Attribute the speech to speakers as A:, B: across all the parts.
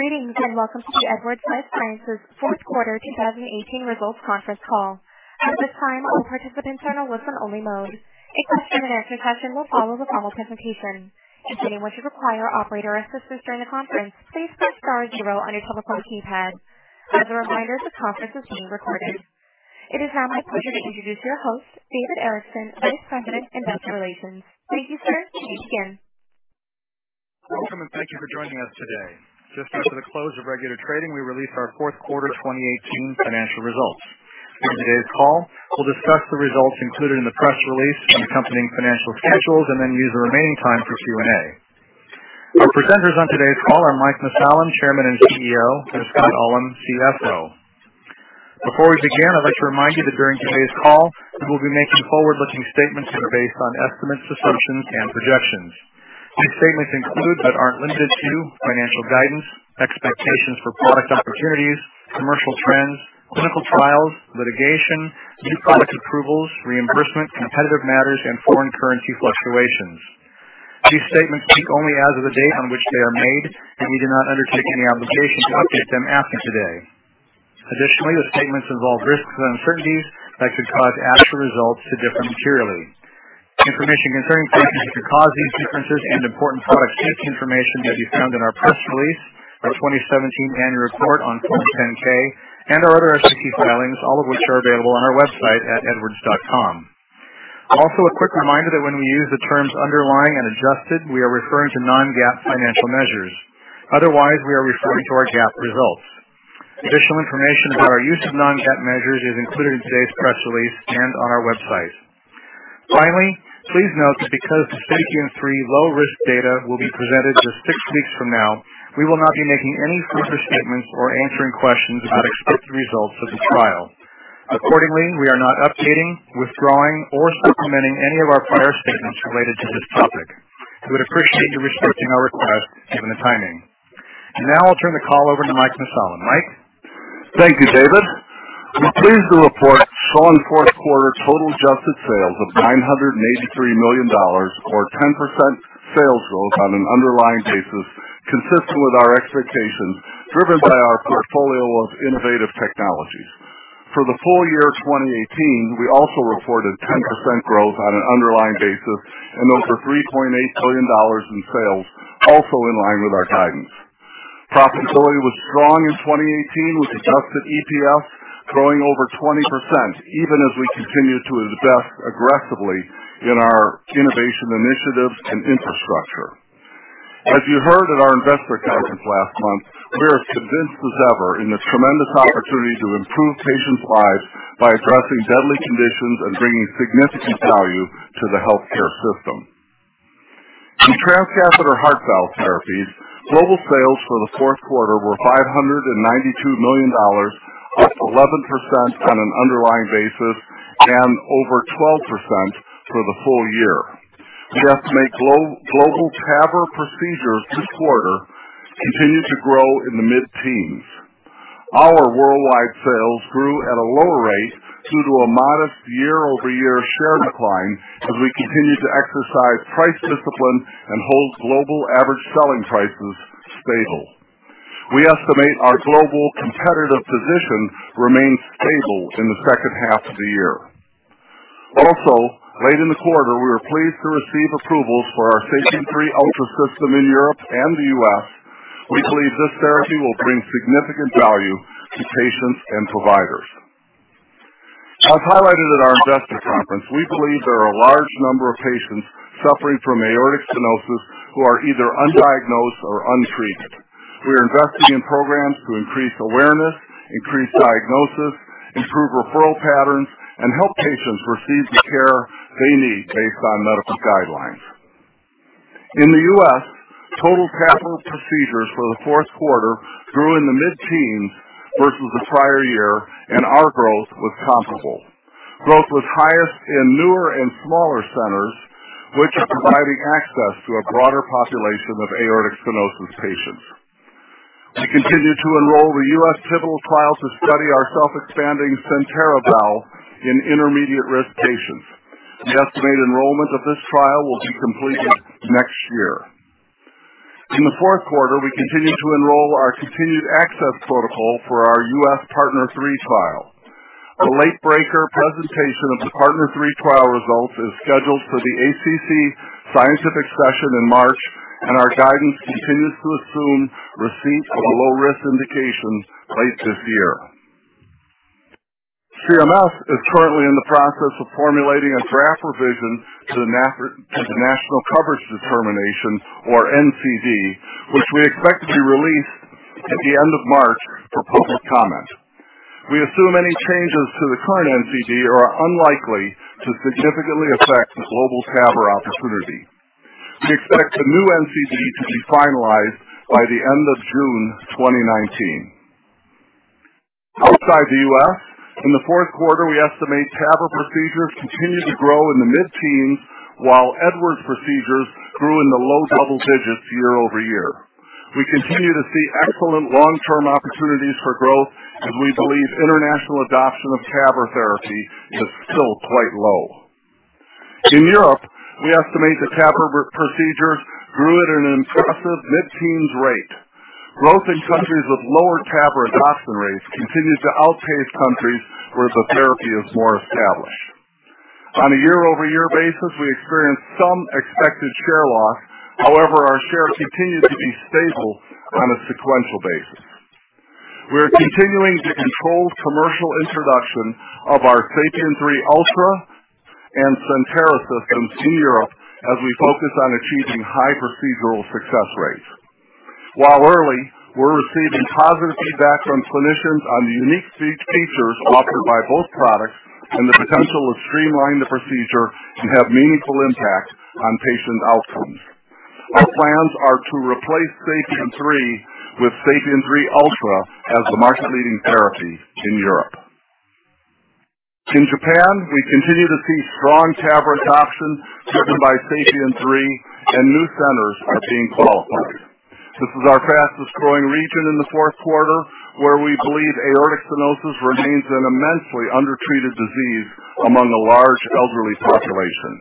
A: Greetings, welcome to the Edwards Lifesciences fourth quarter 2018 results conference call. At this time, all participants are in a listen-only mode. A question-and-answer session will follow the formal presentation. If at any point you require operator assistance during the conference, please press star zero on your telephone keypad. As a reminder, this conference is being recorded. It is now my pleasure to introduce your host, David Erickson, Vice President, Investor Relations. Thank you, sir. You may begin.
B: Welcome, thank you for joining us today. Just after the close of regular trading, we released our fourth quarter 2018 financial results. On today's call, we'll discuss the results included in the press release and accompanying financial schedules, and then use the remaining time for Q&A. Our presenters on today's call are Mike Mussallem, Chairman and CEO, and Scott Ullem, CFO. Before we begin, I'd like to remind you that during today's call, we will be making forward-looking statements that are based on estimates, assumptions, and projections. These statements include but aren't limited to financial guidance, expectations for product opportunities, commercial trends, clinical trials, litigation, new product approvals, reimbursement, competitive matters, and foreign currency fluctuations. These statements speak only as of the date on which they are made, and we do not undertake any obligation to update them after today. Additionally, the statements involve risks and uncertainties that could cause actual results to differ materially. Information concerning factors that could cause these differences and important qualitative information may be found in our press release, our 2017 annual report on Form 10-K, and our other SEC filings, all of which are available on our website at edwards.com. A quick reminder that when we use the terms underlying and adjusted, we are referring to non-GAAP financial measures. Otherwise, we are referring to our GAAP results. Additional information about our use of non-GAAP measures is included in today's press release and on our website. Please note that because the SAPIEN 3 low-risk data will be presented just six weeks from now, we will not be making any future statements or answering questions about expected results of this trial. Accordingly, we are not updating, withdrawing, or supplementing any of our prior statements related to this topic. We would appreciate you respecting our request given the timing. I'll turn the call over to Mike Mussallem. Mike?
C: Thank you, David. We're pleased to report strong fourth quarter total adjusted sales of $983 million, or 10% sales growth on an underlying basis, consistent with our expectations, driven by our portfolio of innovative technologies. For the full year 2018, we also reported 10% growth on an underlying basis, and over $3.8 billion in sales, also in line with our guidance. Profitability was strong in 2018, with adjusted EPS growing over 20%, even as we continued to invest aggressively in our innovation initiatives and infrastructure. As you heard at our investor conference last month, we are as convinced as ever in the tremendous opportunity to improve patients' lives by addressing deadly conditions and bringing significant value to the healthcare system. In transcatheter heart valve therapies, global sales for the fourth quarter were $592 million, up 11% on an underlying basis and over 12% for the full year. We estimate global TAVR procedures this quarter continued to grow in the mid-teens. Our worldwide sales grew at a lower rate due to a modest year-over-year share decline as we continued to exercise price discipline and hold global average selling prices stable. We estimate our global competitive position remained stable in the second half of the year. Also, late in the quarter, we were pleased to receive approvals for our SAPIEN 3 Ultra system in Europe and the U.S. We believe this therapy will bring significant value to patients and providers. As highlighted at our investor conference, we believe there are a large number of patients suffering from aortic stenosis who are either undiagnosed or untreated. We are investing in programs to increase awareness, increase diagnosis, improve referral patterns, and help patients receive the care they need based on medical guidelines. In the U.S., total TAVR procedures for the fourth quarter grew in the mid-teens versus the prior year, and our growth was comparable. Growth was highest in newer and smaller centers, which are providing access to a broader population of aortic stenosis patients. We continue to enroll the U.S. pivotal trial to study our self-expanding CENTERA valve in intermediate-risk patients. We estimate enrollment of this trial will be completed next year. In the fourth quarter, we continued to enroll our continued access protocol for our U.S. PARTNER 3 trial. A late-breaker presentation of the PARTNER 3 trial results is scheduled for the ACC scientific session in March, and our guidance continues to assume receipt of a low-risk indication late this year. CMS is currently in the process of formulating a draft revision to the National Coverage Determination, or NCD, which we expect to be released at the end of March for public comment. We assume any changes to the current NCD are unlikely to significantly affect the global TAVR opportunity. We expect the new NCD to be finalized by the end of June 2019. Outside the U.S., in the fourth quarter, we estimate TAVR procedures continued to grow in the mid-teens, while Edwards procedures grew in the low double digits year-over-year. We continue to see excellent long-term opportunities for growth as we believe international adoption of TAVR therapy is still quite low. In Europe, we estimate the TAVR procedure grew at an impressive mid-teens rate. Growth in countries with lower TAVR adoption rates continues to outpace countries where the therapy is more established. On a year-over-year basis, we experienced some expected share loss. However, our share continued to be stable on a sequential basis. We are continuing to control commercial introduction of our SAPIEN 3 Ultra and CENTERA systems in Europe as we focus on achieving high procedural success rates. While early, we're receiving positive feedback from clinicians on the unique features offered by both products and the potential of streamlining the procedure to have a meaningful impact on patient outcomes. Our plans are to replace SAPIEN 3 with SAPIEN 3 Ultra as the market-leading therapy in Europe. In Japan, we continue to see strong TAVR adoption driven by SAPIEN 3, and new centers are being qualified. This is our fastest-growing region in the fourth quarter, where we believe aortic stenosis remains an immensely undertreated disease among the large elderly population.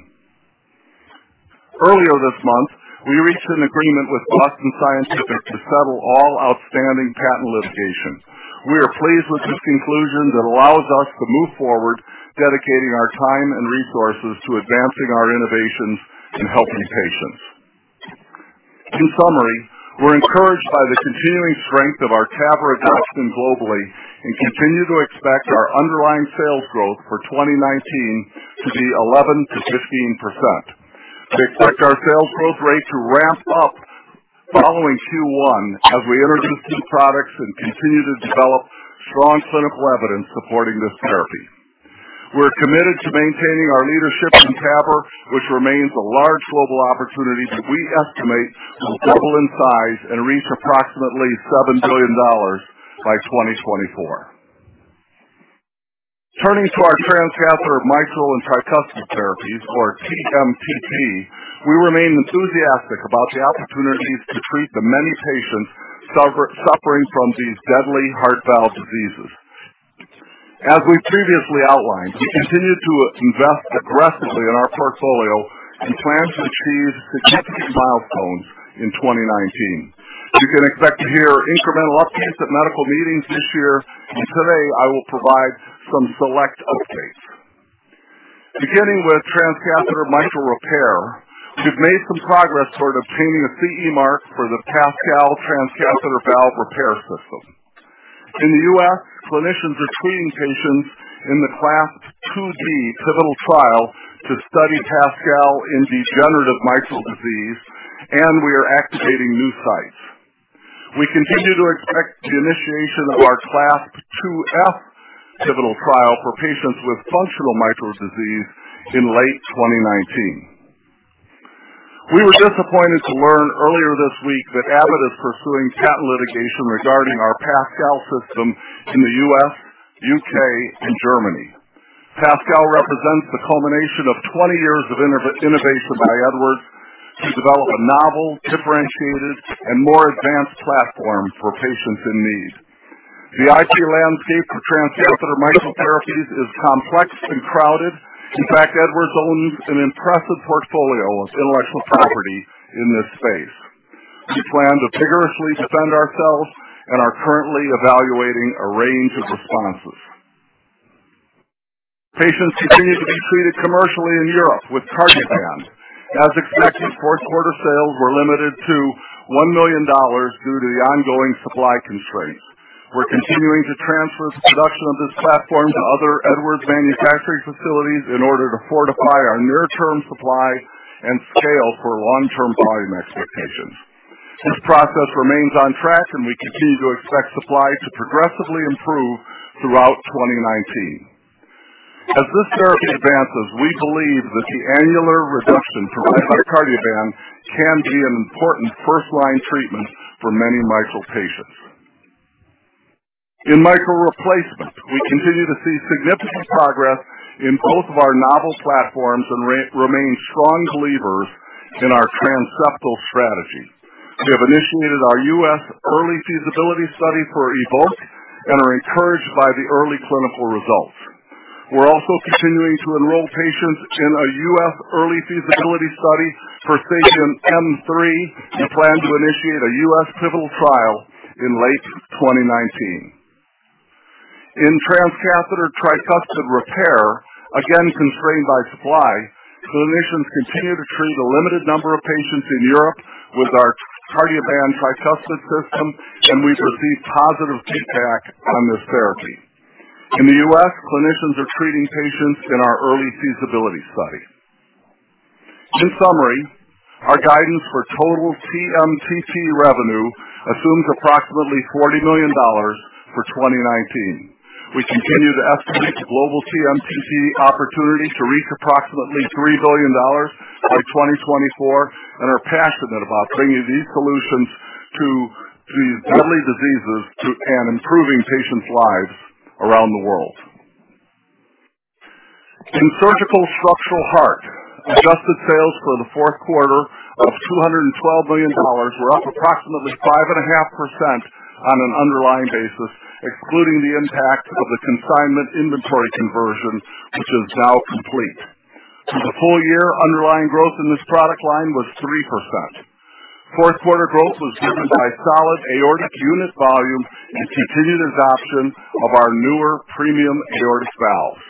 C: Earlier this month, we reached an agreement with Boston Scientific to settle all outstanding patent litigation. We are pleased with this conclusion that allows us to move forward, dedicating our time and resources to advancing our innovations and helping patients. In summary, we're encouraged by the continuing strength of our TAVR adoption globally and continue to expect our underlying sales growth for 2019 to be 11%-15%. We expect our sales growth rate to ramp up following Q1 as we introduce new products and continue to develop strong clinical evidence supporting this therapy. We're committed to maintaining our leadership in TAVR, which remains a large global opportunity that we estimate will double in size and reach approximately $7 billion by 2024. Turning to our transcatheter mitral and tricuspid therapies, or TMTT, we remain enthusiastic about the opportunities to treat the many patients suffering from these deadly heart valve diseases. As we previously outlined, we continue to invest aggressively in our portfolio and plan to achieve significant milestones in 2019. You can expect to hear incremental updates at medical meetings this year, and today I will provide some select updates. Beginning with transcatheter mitral repair, we've made some progress toward obtaining the CE Mark for the PASCAL transcatheter valve repair system. In the U.S., clinicians are treating patients in the CLASP IID pivotal trial to study PASCAL in degenerative mitral disease, and we are activating new sites. We continue to expect the initiation of our CLASP IIF pivotal trial for patients with functional mitral disease in late 2019. We were disappointed to learn earlier this week that Abbott is pursuing patent litigation regarding our PASCAL system in the U.S., U.K., and Germany. PASCAL represents the culmination of 20 years of innovation by Edwards to develop a novel, differentiated, and more advanced platform for patients in need. The IP landscape for transcatheter mitral therapies is complex and crowded. In fact, Edwards owns an impressive portfolio of intellectual property in this space. We plan to vigorously defend ourselves and are currently evaluating a range of responses. Patients continue to be treated commercially in Europe with Cardioband. As expected, fourth quarter sales were limited to $1 million due to the ongoing supply constraints. We're continuing to transfer the production of this platform to other Edwards manufacturing facilities in order to fortify our near-term supply and scale for long-term volume expectations. This process remains on track, and we continue to expect supply to progressively improve throughout 2019. As this therapy advances, we believe that the annular reduction provided by Cardioband can be an important first-line treatment for many mitral patients. In mitral replacement, we continue to see significant progress in both of our novel platforms and remain strong believers in our transseptal strategy. We have initiated our U.S. early feasibility study for EVOQUE and are encouraged by the early clinical results. We're also continuing to enroll patients in a U.S. early feasibility study for SAPIEN M3 and plan to initiate a U.S. pivotal trial in late 2019. In transcatheter tricuspid repair, again constrained by supply, clinicians continue to treat a limited number of patients in Europe with our Cardioband tricuspid system, and we've received positive feedback on this therapy. In the U.S., clinicians are treating patients in our early feasibility study. In summary, our guidance for total TMTT revenue assumes approximately $40 million for 2019. We continue to estimate the global TMTT opportunity to reach approximately $3 billion by 2024 and are passionate about bringing these solutions to these deadly diseases and improving patients' lives around the world. In surgical structural heart, adjusted sales for the fourth quarter of $212 million were up approximately 5.5% on an underlying basis, excluding the impact of the consignment inventory conversion, which is now complete. For the full year, underlying growth in this product line was 3%. Fourth quarter growth was driven by solid aortic unit volumes and continued adoption of our newer premium aortic valves.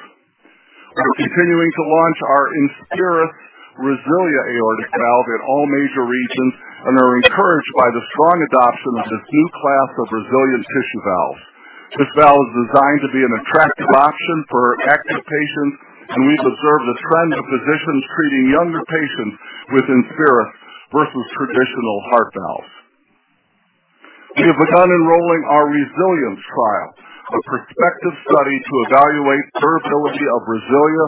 C: We're continuing to launch our INSPIRIS RESILIA aortic valve in all major regions and are encouraged by the strong adoption of this new class of resilient tissue valves. This valve is designed to be an attractive option for active patients, and we've observed a trend of physicians treating younger patients with INSPIRIS versus traditional heart valves. We have begun enrolling our RESILIENCE trial, a prospective study to evaluate durability of RESILIA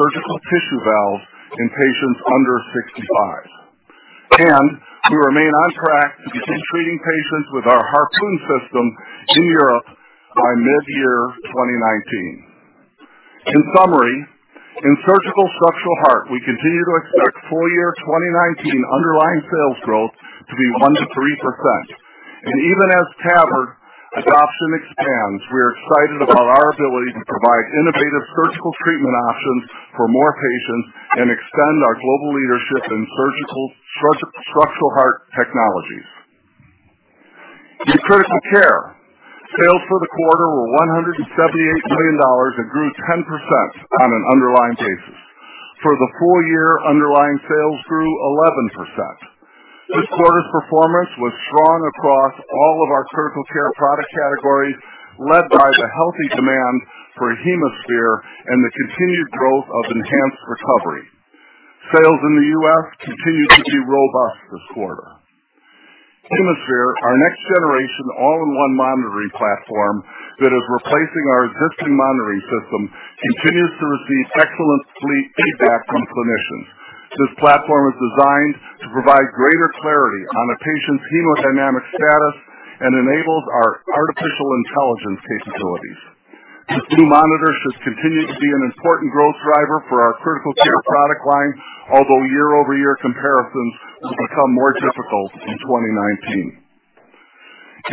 C: surgical tissue valves in patients under 65. We remain on track to begin treating patients with our HARPOON System in Europe by mid-year 2019. In summary, in surgical structural heart, we continue to expect full year 2019 underlying sales growth to be 1%-3%. Even as TAVR adoption expands, we are excited about our ability to provide innovative surgical treatment options for more patients and expand our global leadership in surgical structural heart technologies. In critical care, sales for the quarter were $178 million and grew 10% on an underlying basis. For the full year, underlying sales grew 11%. This quarter's performance was strong across all of our critical care product categories, led by the healthy demand for HemoSphere and the continued growth of enhanced recovery. Sales in the U.S. continued to be robust this quarter. HemoSphere, our next generation all-in-one monitoring platform that is replacing our existing monitoring system, continues to receive excellent fleet feedback from clinicians. This platform is designed to provide greater clarity on a patient's hemodynamic status and enables our artificial intelligence capabilities. This new monitor should continue to be an important growth driver for our critical care product line, although year-over-year comparisons will become more difficult in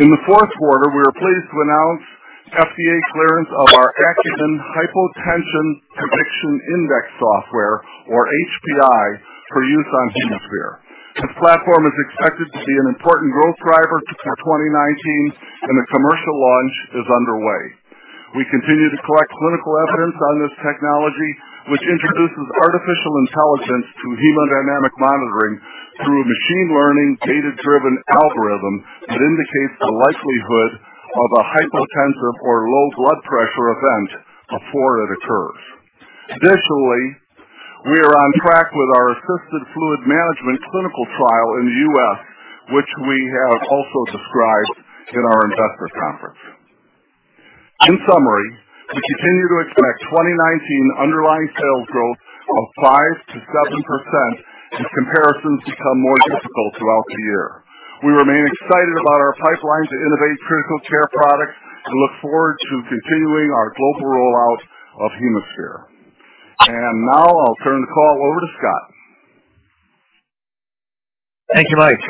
C: 2019. In the fourth quarter, we were pleased to announce FDA clearance of our Acumen Hypotension Prediction Index software, or HPI, for use on HemoSphere. This platform is expected to be an important growth driver for 2019. The commercial launch is underway. We continue to collect clinical evidence on this technology, which introduces artificial intelligence to hemodynamic monitoring through a machine learning data-driven algorithm that indicates the likelihood of a hypotensive or low blood pressure event before it occurs. Additionally, we are on track with our assisted fluid management clinical trial in the U.S., which we have also described in our investor conference. In summary, we continue to expect 2019 underlying sales growth of 5%-7% as comparisons become more difficult throughout the year. We remain excited about our pipeline to innovate critical care products and look forward to continuing our global rollout of HemoSphere. Now I'll turn the call over to Scott.
D: Thank you, Mike.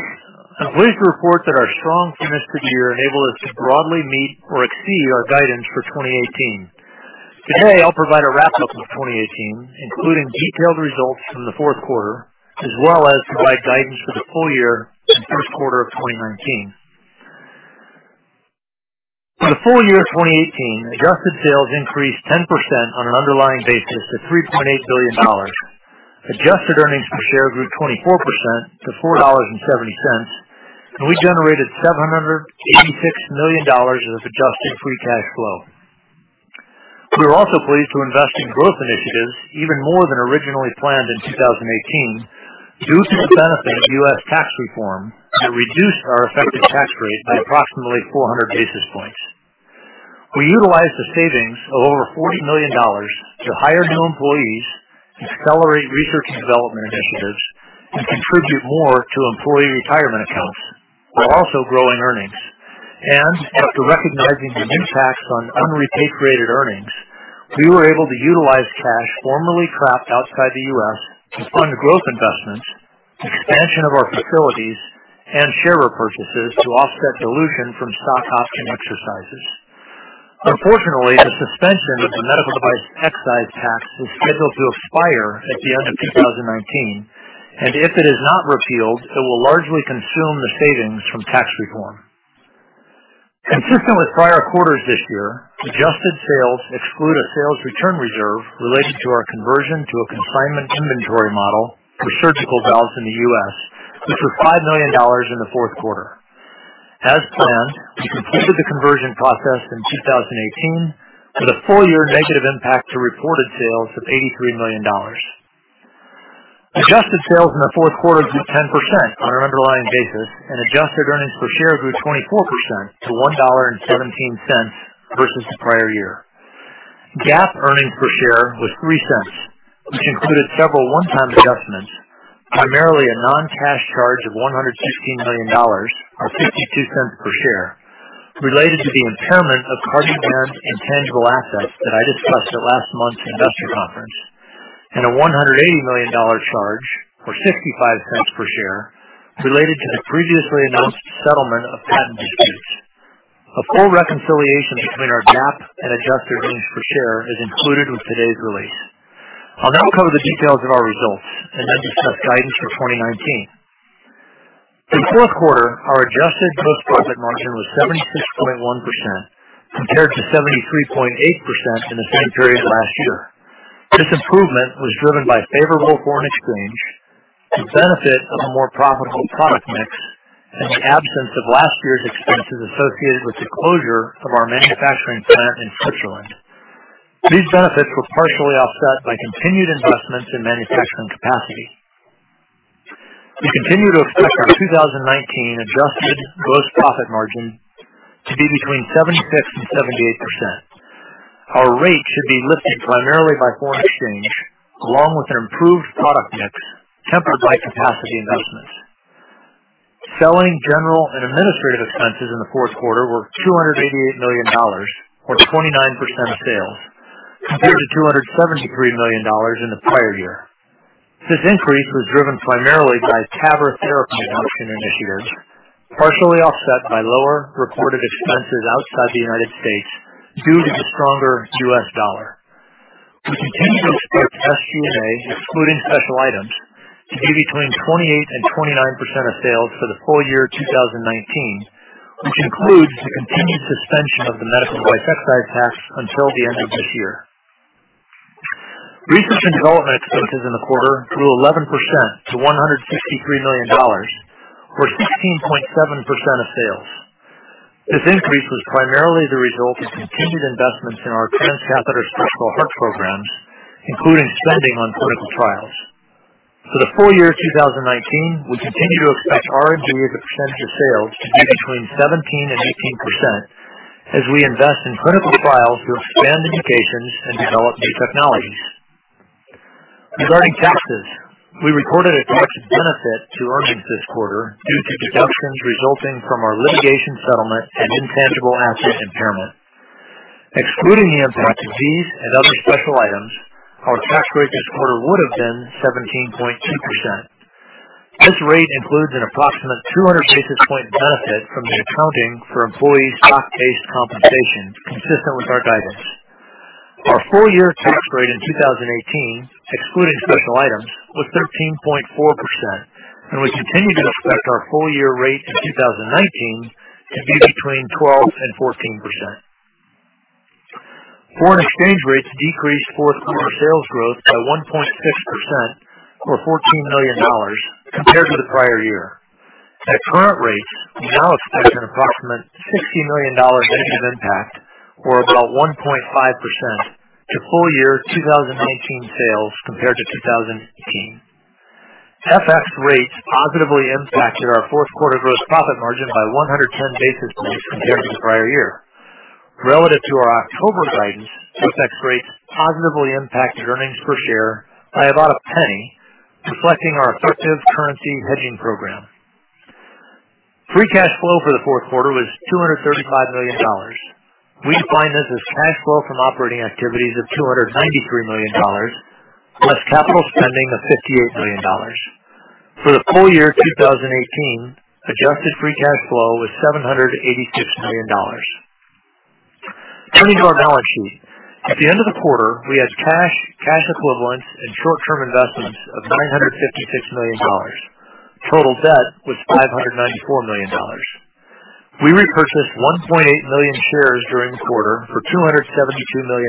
D: I'm pleased to report that our strong finish to the year enabled us to broadly meet or exceed our guidance for 2018. Today, I'll provide a wrap-up of 2018, including detailed results from the fourth quarter, as well as provide guidance for the full year and first quarter of 2019. For the full year 2018, adjusted sales increased 10% on an underlying basis to $3.8 billion. Adjusted earnings per share grew 24% to $4.70, and we generated $786 million of adjusted free cash flow. We were also pleased to invest in growth initiatives even more than originally planned in 2018 due to the benefit of U.S. tax reform that reduced our effective tax rate by approximately 400 basis points. We utilize savings over $40 million to hire new employees to accelerate research development this year and contribute more to employee retirement accounts. We are also growing earnings. After recognizing an impact on unrepatriated earnings, we were able to utilize cash formerly trapped outside the U.S. to fund growth investments, expansion of our facilities, and share repurchases to offset dilution from stock option exercises. Unfortunately, the suspension of the medical device excise tax is scheduled to expire at the end of 2019, and if it is not repealed, it will largely consume the savings from tax reform. Consistent with prior quarters this year, adjusted sales exclude a sales return reserve related to our conversion to a consignment inventory model for surgical valves in the U.S., which was $5 million in the fourth quarter. As planned, we completed the conversion process in 2018 with a full-year negative impact to reported sales of $83 million. Adjusted sales in the fourth quarter grew 10% on an underlying basis, and adjusted earnings per share grew 24% to $1.17 versus the prior year. GAAP earnings per share was $0.03, which included several one-time adjustments, primarily a non-cash charge of $116 million, or $0.52 per share, related to the impairment of [CardiAQ's] intangible assets that I discussed at last month's investor conference, and a $180 million charge, or $0.65 per share, related to the previously announced settlement of patent disputes. A full reconciliation between our GAAP and adjusted earnings per share is included with today's release. I'll now cover the details of our results and then discuss guidance for 2019. In fourth quarter, our adjusted gross profit margin was 76.1% compared to 73.8% in the same period last year. This improvement was driven by favorable foreign exchange, the benefit of a more profitable product mix, and the absence of last year's expenses associated with the closure of our manufacturing plant in Switzerland. These benefits were partially offset by continued investments in manufacturing capacity. We continue to expect our 2019 adjusted gross profit margin to be between 76% and 78%. Our rate should be lifted primarily by foreign exchange along with an improved product mix, tempered by capacity investments. Selling, general, and administrative expenses in the fourth quarter were $288 million or 29% of sales, compared to $273 million in the prior year. This increase was driven primarily by TAVR therapy adoption initiatives, partially offset by lower reported expenses outside the U.S. due to the stronger U.S. dollar. We continue to expect SG&A, excluding special items, to be between 28% and 29% of sales for the full year 2019, which includes the continued suspension of the medical device excise tax until the end of this year. Research and development expenses in the quarter grew 11% to $163 million or 16.7% of sales. This increase was primarily the result of continued investments in our transcatheter structural heart programs, including spending on clinical trials. For the full year 2019, we continue to expect R&D as a percentage of sales to be between 17% and 18% as we invest in clinical trials to expand indications and develop new technologies. Regarding taxes, we recorded a tax benefit to earnings this quarter due to deductions resulting from our litigation settlement and intangible asset impairment. Excluding the impact of these and other special items, our tax rate this quarter would have been 17.2%. This rate includes an approximate 200 basis point benefit from the accounting for employee stock-based compensation consistent with our guidance. Our full-year tax rate in 2018, excluding special items, was 13.4%, and we continue to expect our full-year rate in 2019 to be between 12% and 14%. Foreign exchange rates decreased fourth quarter sales growth by 1.6% or $14 million compared to the prior year. At current rates, we now expect an approximate $60 million negative impact, or about 1.5%, to full-year 2019 sales compared to 2018. FX rates positively impacted our fourth quarter gross profit margin by 110 basis points compared to the prior year. Relative to our October guidance, FX rates positively impacted earnings per share by about $0.01, reflecting our effective currency hedging program. Free cash flow for the fourth quarter was $235 million. We define this as cash flow from operating activities of $293 million plus capital spending of $58 million. For the full year 2018, adjusted free cash flow was $786 million. Turning to our balance sheet. At the end of the quarter, we had cash equivalents, and short-term investments of $956 million. Total debt was $594 million. We repurchased 1.8 million shares during the quarter for $272 million,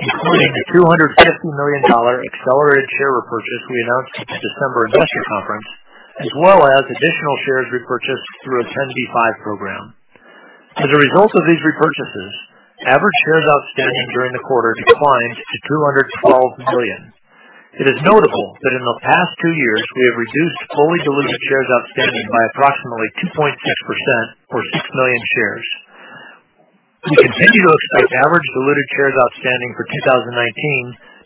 D: including the $250 million accelerated share repurchase we announced at the December investor conference, as well as additional shares repurchased through a 10b5 program. As a result of these repurchases, average shares outstanding during the quarter declined to 212 million. It is notable that in the past two years, we have reduced fully diluted shares outstanding by approximately 2.6% or 6 million shares. We continue to expect average diluted shares outstanding for 2019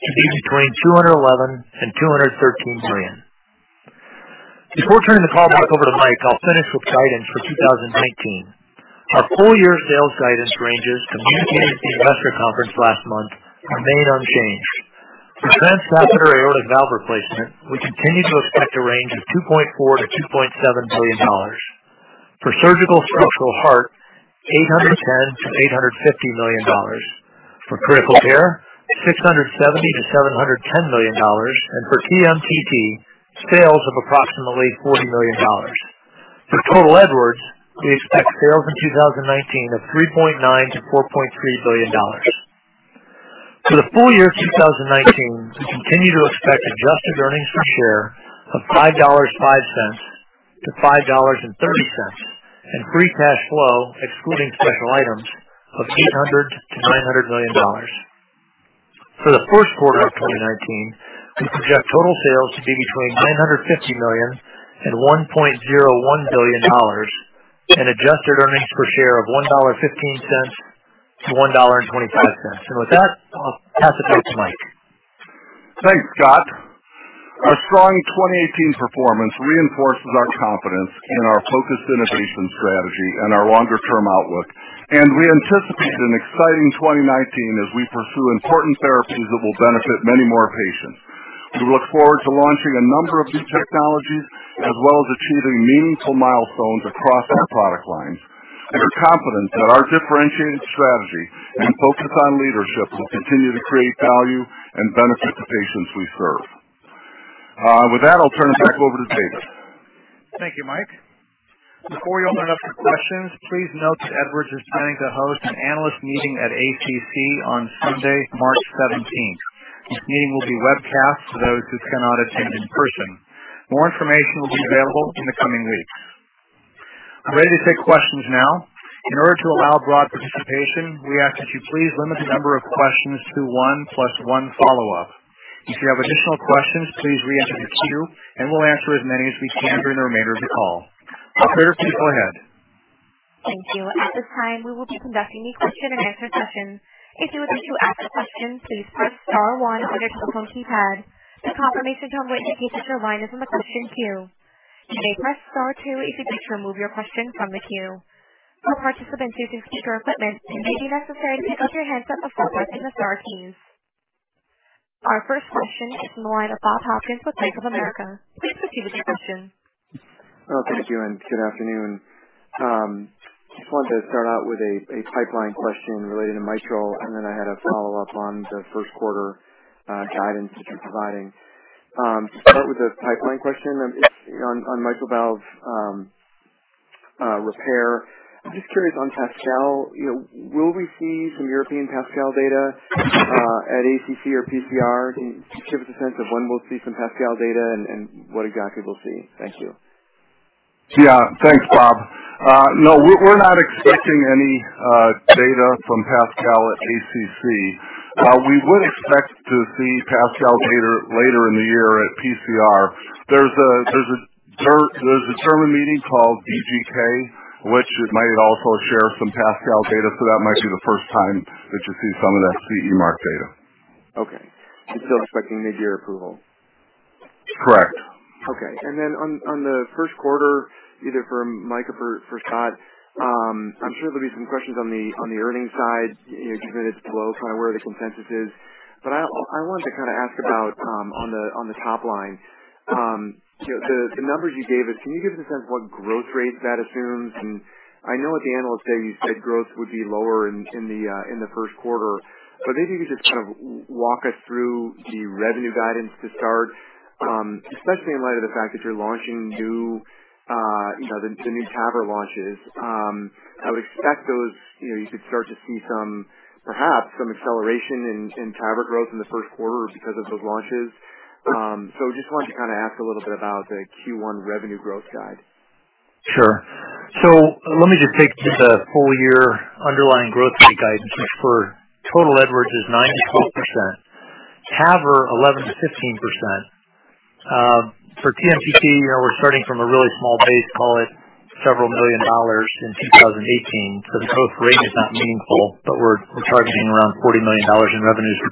D: to be between 211 million and 213 million. Before turning the call back over to Mike, I'll finish with guidance for 2019. Our full-year sales guidance ranges communicated at the investor conference last month remain unchanged. For transcatheter aortic valve replacement, we continue to expect a range of $2.4 billion-$2.7 billion. For surgical structural heart, $810 million-$850 million. For critical care, $670 million-$710 million. For TMTT, sales of approximately $40 million. For total Edwards, we expect sales in 2019 of $3.9 billion-$4.3 billion. For the full year 2019, we continue to expect adjusted earnings per share of $5.05-$5.30 and free cash flow, excluding special items, of $800 million-$900 million. For the first quarter of 2019, we project total sales to be between $950 million and $1.01 billion and adjusted earnings per share of $1.15-$1.25. With that, I'll pass it back to Mike.
C: Thanks, Scott. Our strong 2018 performance reinforces our confidence in our focused innovation strategy and our longer-term outlook. We anticipate an exciting 2019 as we pursue important therapies that will benefit many more patients. We look forward to launching a number of these technologies, as well as achieving meaningful milestones across our product lines. We are confident that our differentiated strategy and focus on leadership will continue to create value and benefit the patients we serve. With that, I'll turn it back over to David.
B: Thank you, Mike. Before we open it up for questions, please note that Edwards is planning to host an analyst meeting at ACC on Sunday, March 17th. This meeting will be webcast for those who cannot attend in person. More information will be available in the coming weeks. I'm ready to take questions now. In order to allow broad participation, we ask that you please limit the number of questions to one plus one follow-up. If you have additional questions, please re-enter the queue and we'll answer as many as we can during the remainder of the call. Operator, please go ahead.
A: Thank you. At this time, we will be conducting a question and answer session. If you would like to ask a question, please press star one on your telephone keypad. The confirmation tone will indicate that your line is in the question queue. You may press star two if you'd like to remove your question from the queue. For participants using speaker equipment, it may be necessary to pick up your handset before pressing the star keys. Our first question is from the line of Bob Hopkins with Bank of America. Please proceed with your question.
E: Thank you, and good afternoon. Just wanted to start out with a pipeline question related to mitral, and then I had a follow-up on the first quarter guidance that you're providing. To start with the pipeline question on mitral valve repair. I'm just curious on PASCAL. Will we see some European PASCAL data at ACC or PCR? Can you give us a sense of when we'll see some PASCAL data and what exactly we'll see? Thank you.
C: Yeah. Thanks, Bob. We're not expecting any data from PASCAL at ACC. We would expect to see PASCAL data later in the year at PCR. There's a German meeting called DGK, which it might also share some PASCAL data. That might be the first time that you'll see some of that CE Mark data.
E: Okay. Still expecting mid-year approval?
C: Correct.
E: Okay. On the first quarter, either for Mike or for Scott, I'm sure there'll be some questions on the earnings side, given it's below kind of where the consensus is. I wanted to kind of ask about on the top line, the numbers you gave us, can you give us a sense what growth rate that assumes? I know at the Analyst Day you said growth would be lower in the first quarter. Maybe you could just kind of walk us through the revenue guidance to start, especially in light of the fact that you're launching new TAVR launches. I would expect you could start to see perhaps some acceleration in TAVR growth in the first quarter because of those launches. Just wanted to kind of ask a little bit about the Q1 revenue growth guide.
D: Let me just take just a full year underlying growth rate guidance, which for total Edwards is 9%-12%. TAVR 11%-15%. For TMTT, we're starting from a really small base, call it several million dollars in 2018. The growth rate is not meaningful, but we're targeting around $40 million in revenues for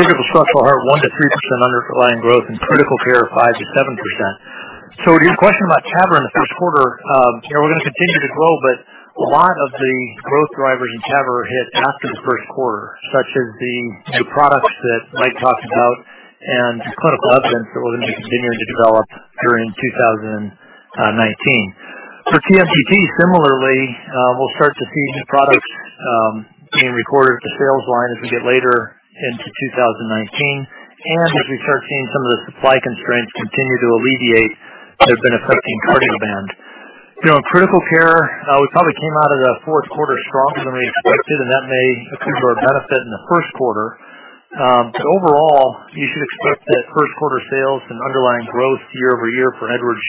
D: 2019. Critical structural heart, 1%-3% underlying growth, and critical care 5%-7%. To your question about TAVR in the first quarter, we're going to continue to grow, but a lot of the growth drivers in TAVR hit after the first quarter, such as the products that Mike talked about and the clinical evidence that we're going to be continuing to develop during 2019. For TMTT, similarly, we'll start to see new products being recorded at the sales line as we get later into 2019. As we start seeing some of the supply constraints continue to alleviate that have been affecting Cardioband. In critical care, we probably came out of the fourth quarter stronger than we expected, and that may accrue a benefit in the first quarter. Overall, you should expect that first quarter sales and underlying growth year-over-year for Edwards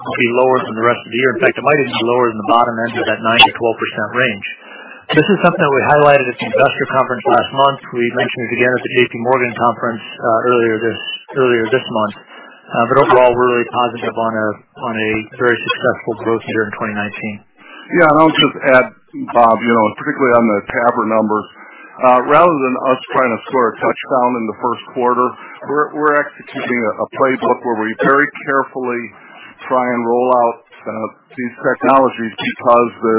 D: will be lower than the rest of the year. In fact, it might even be lower than the bottom end of that 9%-12% range. This is something that we highlighted at the Analyst Day last month. We mentioned it again at the JPMorgan conference earlier this month. Overall, we're really positive on a very successful growth year in 2019.
C: Yeah, I'll just add, Bob, particularly on the TAVR numbers. Rather than us trying to score a touchdown in the first quarter, we're executing a playbook where we very carefully try and roll out these technologies because the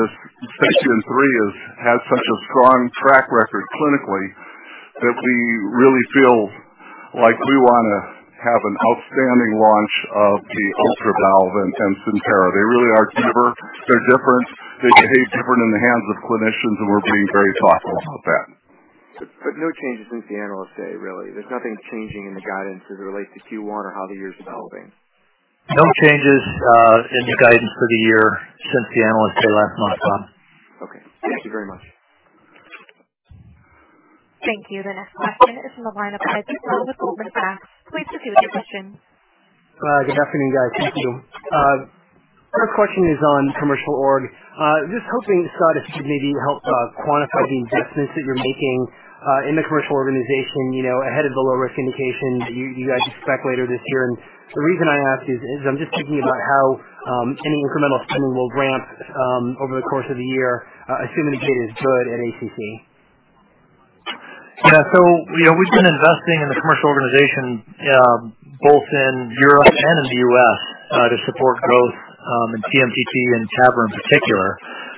C: SAPIEN 3 has had such a strong track record clinically that we really feel like we want to have an outstanding launch of the Ultra valve and SAPIEN. They really are different. They behave different in the hands of clinicians, and we're being very thoughtful about that.
E: No change since the Analyst Day, really. There's nothing changing in the guidance as it relates to Q1 or how the year's developing.
D: No changes in the guidance for the year since the Analyst Day last month, Bob.
E: Okay. Thank you very much.
A: Thank you. The next question is from the line of with Goldman Sachs. Please proceed with your question.
F: Good afternoon, guys. Thank you. First question is on commercial org. Just hoping, Scott, if you could maybe help quantify the investments that you're making in the commercial organization ahead of the low-risk indication you guys expect later this year. The reason I ask is, I'm just thinking about how any incremental spending will ramp over the course of the year, assuming the data's good at ACC.
D: Yeah. We've been investing in the commercial organization both in Europe and in the U.S. to support growth in TMTT and TAVR in particular.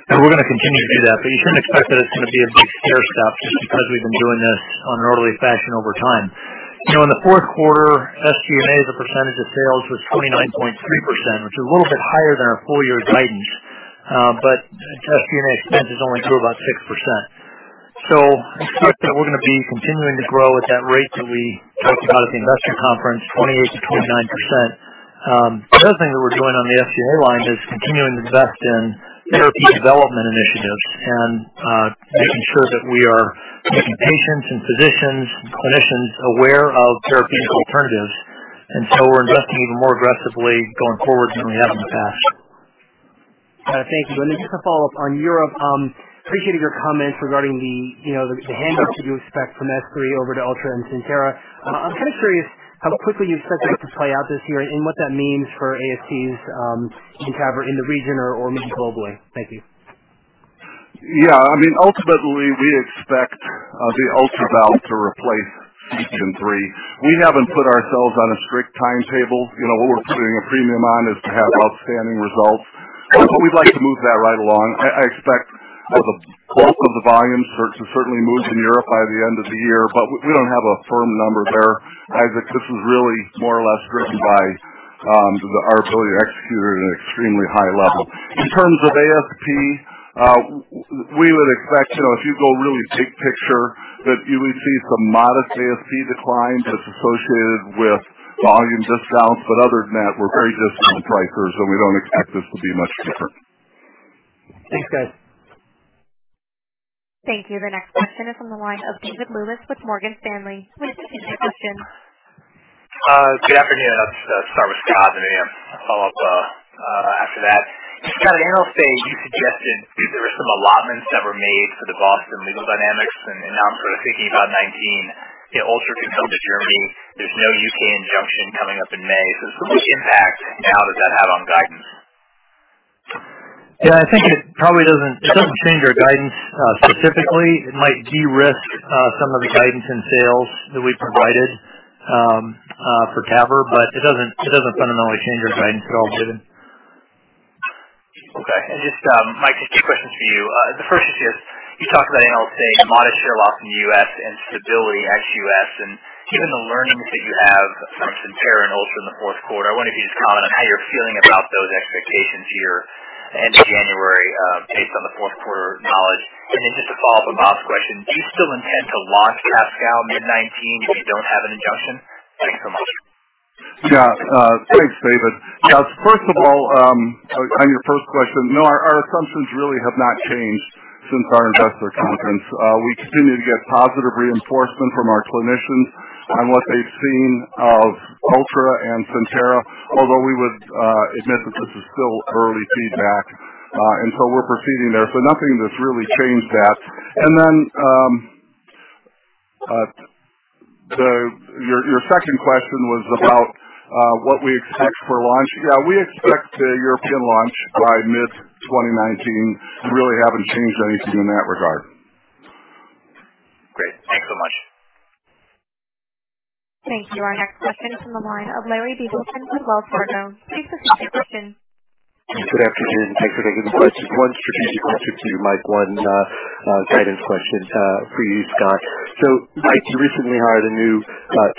D: We're going to continue to do that, but you shouldn't expect that it's going to be a big stair step just because we've been doing this on an orderly fashion over time. In the fourth quarter, SG&A as a percentage of sales was 29.3%, which is a little bit higher than our full year guidance. SG&A expense only grew about 6%. Expect that we're going to be continuing to grow at that rate that we talked about at the investor conference, 28%-29%. The other thing that we're doing on the SG&A line is continuing to invest in therapy development initiatives and making sure that we are making patients and physicians and clinicians aware of therapeutic alternatives. We're investing even more aggressively going forward than we have in the past.
F: Thank you. Just a follow-up on Europe. Appreciated your comments regarding the handoff that you expect from S3 over to Ultra and CENTERA. I'm curious how quickly you expect that to play out this year and what that means for ASPs in TAVR in the region or even globally. Thank you.
C: Yeah. Ultimately, we expect the Ultra valve to replace SAPIEN 3. We haven't put ourselves on a strict timetable. What we're putting a premium on is to have outstanding results, but we'd like to move that right along. I expect the bulk of the volume to certainly move to Europe by the end of the year, but we don't have a firm number there, Isaac. This is really more or less driven by our ability to execute at an extremely high level. In terms of ASP, we would expect, if you go really big picture, that you would see some modest ASP decline that's associated with volume discounts. Other than that, we're very disciplined pricers, and we don't expect this to be much different.
F: Thanks, guys.
A: Thank you. The next question is from the line of David Lewis with Morgan Stanley. Please proceed with your question.
G: Good afternoon. I'll start with Scott. Then I'm going to follow up after that. Scott, at Analyst Day, you suggested that there were some allotments that were made for the Boston legal dynamics, and now I'm sort of thinking about 2019. Ultra can come to Germany. There's no U.K. injunction coming up in May. What impact now does that have on guidance?
D: Yeah, I think it doesn't change our guidance specifically. It might de-risk some of the guidance in sales that we provided for TAVR, it doesn't fundamentally change our guidance at all, David.
G: Okay. Just, Mike, just two questions for you. The first is just you talked about Analyst Day, modest share loss in the U.S. and stability ex U.S. Given the learnings that you have from CENTERA and Ultra in the fourth quarter, I wonder if you could just comment on how you're feeling about those expectations here end of January, based on the fourth quarter knowledge. Just to follow up on Bob's question, do you still intend to launch PASCAL mid 2019 if you don't have an injunction? Thanks so much.
C: Yeah. Thanks, David. Yeah. First of all, on your first question, no, our assumptions really have not changed since our investor conference. We continue to get positive reinforcement from our clinicians on what they've seen of Ultra and CENTERA, although we would admit that this is still early feedback, we're proceeding there. Nothing that's really changed that. Your second question was about what we expect for launch. Yeah, we expect a European launch by mid 2019. We really haven't changed anything in that regard.
G: Great. Thanks so much.
A: Thank you. Our next question is from the line of Larry Biegelsen with Wells Fargo. Please proceed with your question.
H: Good afternoon, thanks for taking the questions. One strategic question to you, Mike. One guidance question for you, Scott. Mike, you recently hired a new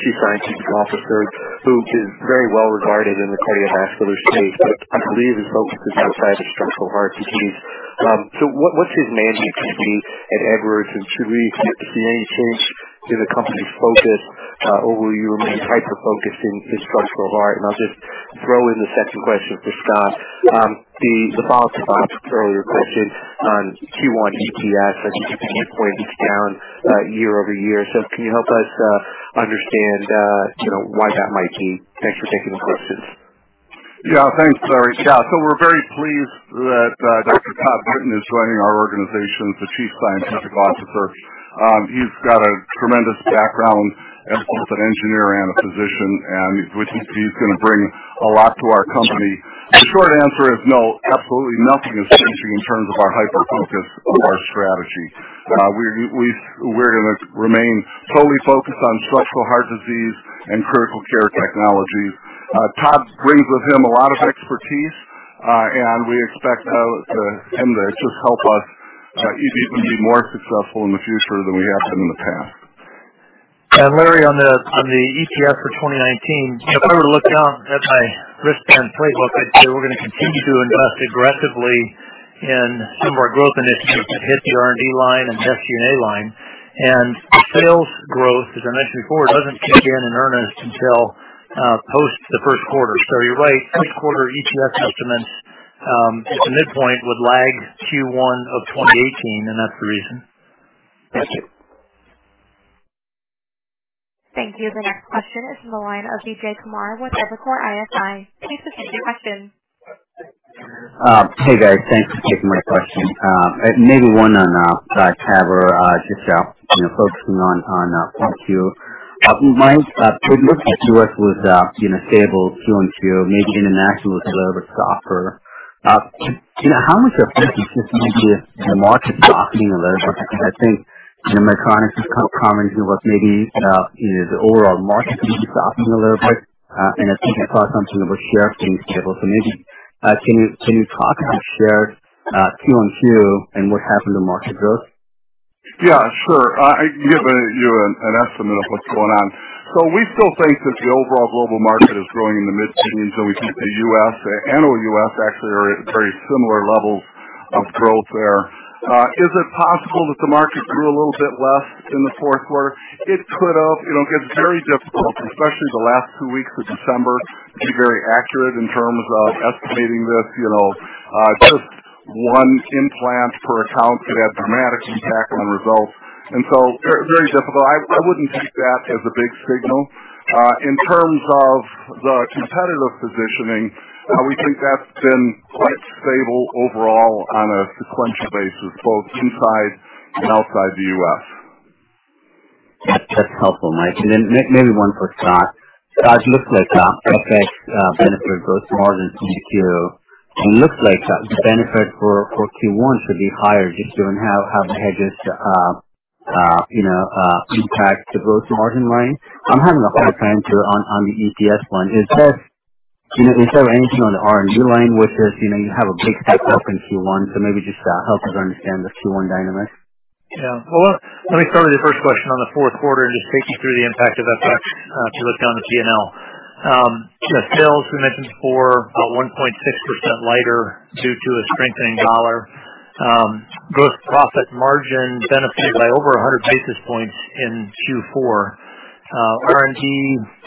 H: Chief Scientific Officer who is very well regarded in the cardiac space, but I believe his focus is outside of structural heart disease. What's his mandate at Edwards, and should we expect to see any change in the company's focus? Or will you remain hyper-focused in structural heart? I'll just throw in the second question for Scott. The follow-up to Bob's earlier question on Q1 EPS, I think you pointed down year-over-year. Can you help us understand why that might be? Thanks for taking the questions.
C: Thanks, Larry. We're very pleased that Dr. Todd Brinton is joining our organization as the Chief Scientific Officer. He's got a tremendous background as both an engineer and a physician, and he's going to bring a lot to our company. The short answer is no, absolutely nothing is changing in terms of our hyper-focus of our strategy. We're going to remain totally focused on structural heart disease and critical care technologies. Todd brings with him a lot of expertise, and we expect him to just help us even be more successful in the future than we have been in the past.
D: Larry, on the EPS for 2019, if I were to look down at my wristband playbook, I'd say we're going to continue to invest aggressively in some of our growth initiatives that hit the R&D line and SG&A line. Sales growth, as I mentioned before, doesn't kick in in earnest until post the first quarter. You're right, first quarter EPS estimates at the midpoint would lag Q1 of 2018, and that's the reason.
H: Thank you.
A: Thank you. The next question is from the line of Vijay Kumar with Evercore ISI. Please proceed with your question.
I: Hey, guys. Thanks for taking my question. Maybe one on TAVR, just focusing on 1Q. Mike, when we look at Q1, it was stable Q-on-Q. Maybe international was a little bit softer. How much of that do you think maybe the market softening a little bit? Because I think in Medtronic's conference, they were maybe the overall market could be softening a little bit. I think that caused something with share being stable. Maybe can you talk about share Q-on-Q and what happened to market growth?
C: Yeah, sure. I can give you an estimate of what's going on. We still think that the overall global market is growing in the mid-teen, and we think the U.S. and OUS actually are at very similar levels of growth there. Is it possible that the market grew a little bit less in the fourth quarter? It could have. It gets very difficult, especially the last two weeks of December, to be very accurate in terms of estimating this. Just one implant per account could have a dramatic impact on the results. Very difficult. I wouldn't take that as a big signal. In terms of the competitive positioning, we think that's been quite stable overall on a sequential basis, both inside and outside the U.S.
I: That's helpful, Mike. Then maybe one for Scott. Scott, it looks like FX benefited gross margin, 2Q. It looks like the benefit for Q1 should be higher just given how the hedges impact the gross margin line. I'm having a hard time on the EPS one. Is there anything on the R&D line with this? You have a big stack up in Q1, maybe just help us understand the Q1 dynamics.
D: Well, let me start with your first question on the fourth quarter and just take you through the impact of FX to look down the P&L. The sales we mentioned for about 1.6% lighter due to a strengthening dollar. Gross profit margin benefited by over 100 basis points in Q4. R&D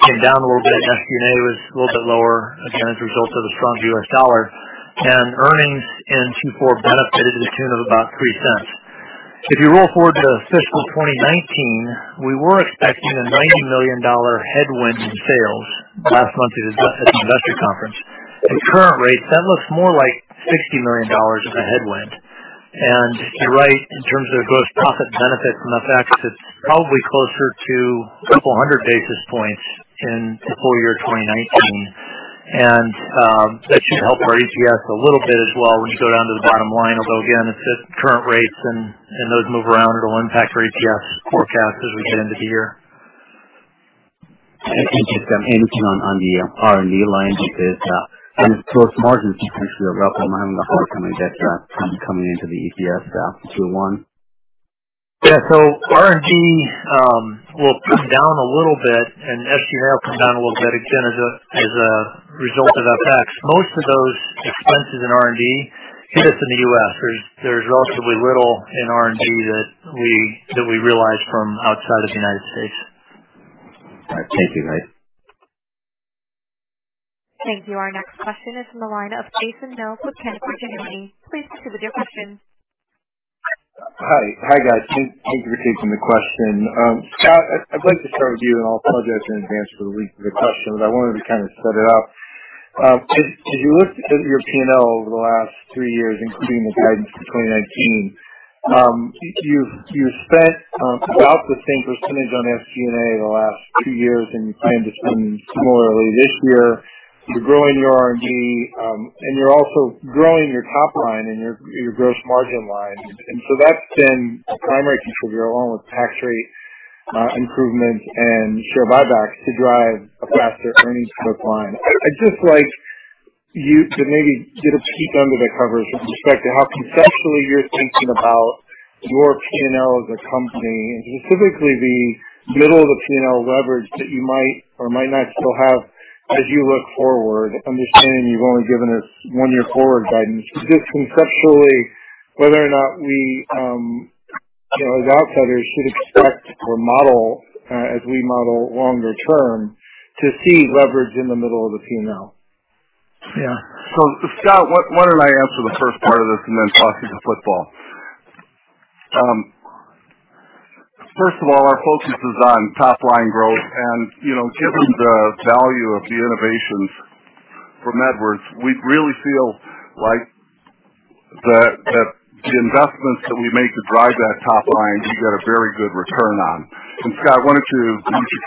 D: came down a little bit, SG&A was a little bit lower. Again, as a result of the strong U.S. dollar. Earnings in Q4 benefited to the tune of about $0.03. If you roll forward to fiscal 2019, we were expecting a $90 million headwind in sales last month at the investor conference. At current rates, that looks more like $60 million as a headwind. You're right, in terms of gross profit benefit from the FX, it's probably closer to a couple of hundred basis points in the full year 2019. That should help our EPS a little bit as well when you go down to the bottom line, although again, it's at current rates and those move around, it'll impact our EPS forecast as we get into the year.
I: Just anything on the R&D line with this. Its gross margin percentage are up. I'm wondering how that comes into the EPS for Q1.
D: R&D will come down a little bit, SG&A will come down a little bit again, as a result of FX. Most of those expenses in R&D hit us in the U.S. There's relatively little in R&D that we realize from outside of the United States.
I: All right. Thank you, guys.
A: Thank you. Our next question is from the line of Jason Mills with Canaccord Genuity. Please proceed with your question.
J: Hi, guys. Thanks for taking the question. Scott, I'd like to start with you, and I'll apologize in advance for the weak question, but I wanted to kind of set it up. As you look at your P&L over the last three years, including the guidance for 2019, you've spent about the same percentage on SG&A in the last two years, and you plan to spend similarly this year. You're growing your R&D, and you're also growing your top line and your gross margin line. That's been a primary contributor, along with tax rate improvements and share buybacks, to drive a faster earnings growth line. I'd just like you to maybe get a peek under the covers with respect to how conceptually you're thinking about your P&L as a company, and specifically the middle-of-the-P&L leverage that you might or might not still have as you look forward, understanding you've only given us one-year forward guidance. Conceptually, whether or not we, as outsiders, should expect or model as we model longer term to see leverage in the middle of the P&L.
C: Scott, why don't I answer the first part of this and then toss you the football. First of all, our focus is on top-line growth. Given the value of the innovations from Edwards, we really feel like that the investments that we make to drive that top line, you get a very good return on. Scott, why don't you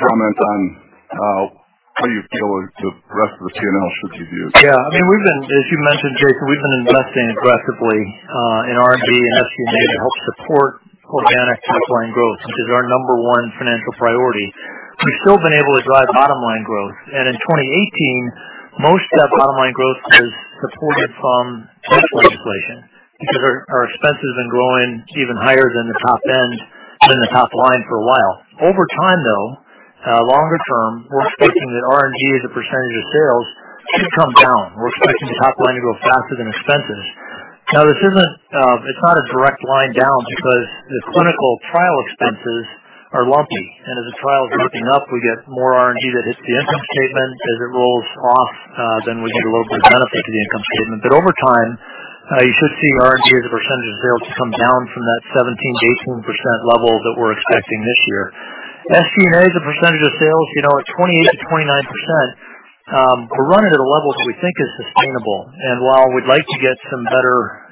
C: comment on how you feel the rest of the P&L should be viewed?
D: Yeah. As you mentioned, Jason, we've been investing aggressively in R&D and SG&A to help support organic top-line growth, which is our number one financial priority. We've still been able to drive bottom-line growth. In 2018, most of that bottom-line growth was supported from price inflation because our expenses have been growing even higher than the top end, than the top line for a while. Over time, though, longer term, we're expecting that R&D as a percentage of sales should come down. We're expecting the top line to grow faster than expenses. It's not a direct line down because the clinical trial expenses are lumpy. As the trials are ramping up, we get more R&D that hits the income statement. As it rolls off, we get a little bit of benefit to the income statement. Over time, you should see R&D as a percentage of sales come down from that 17%-18% level that we're expecting this year. SG&A as a percentage of sales at 28%-29%, we're running at a level that we think is sustainable. While we'd like to get some better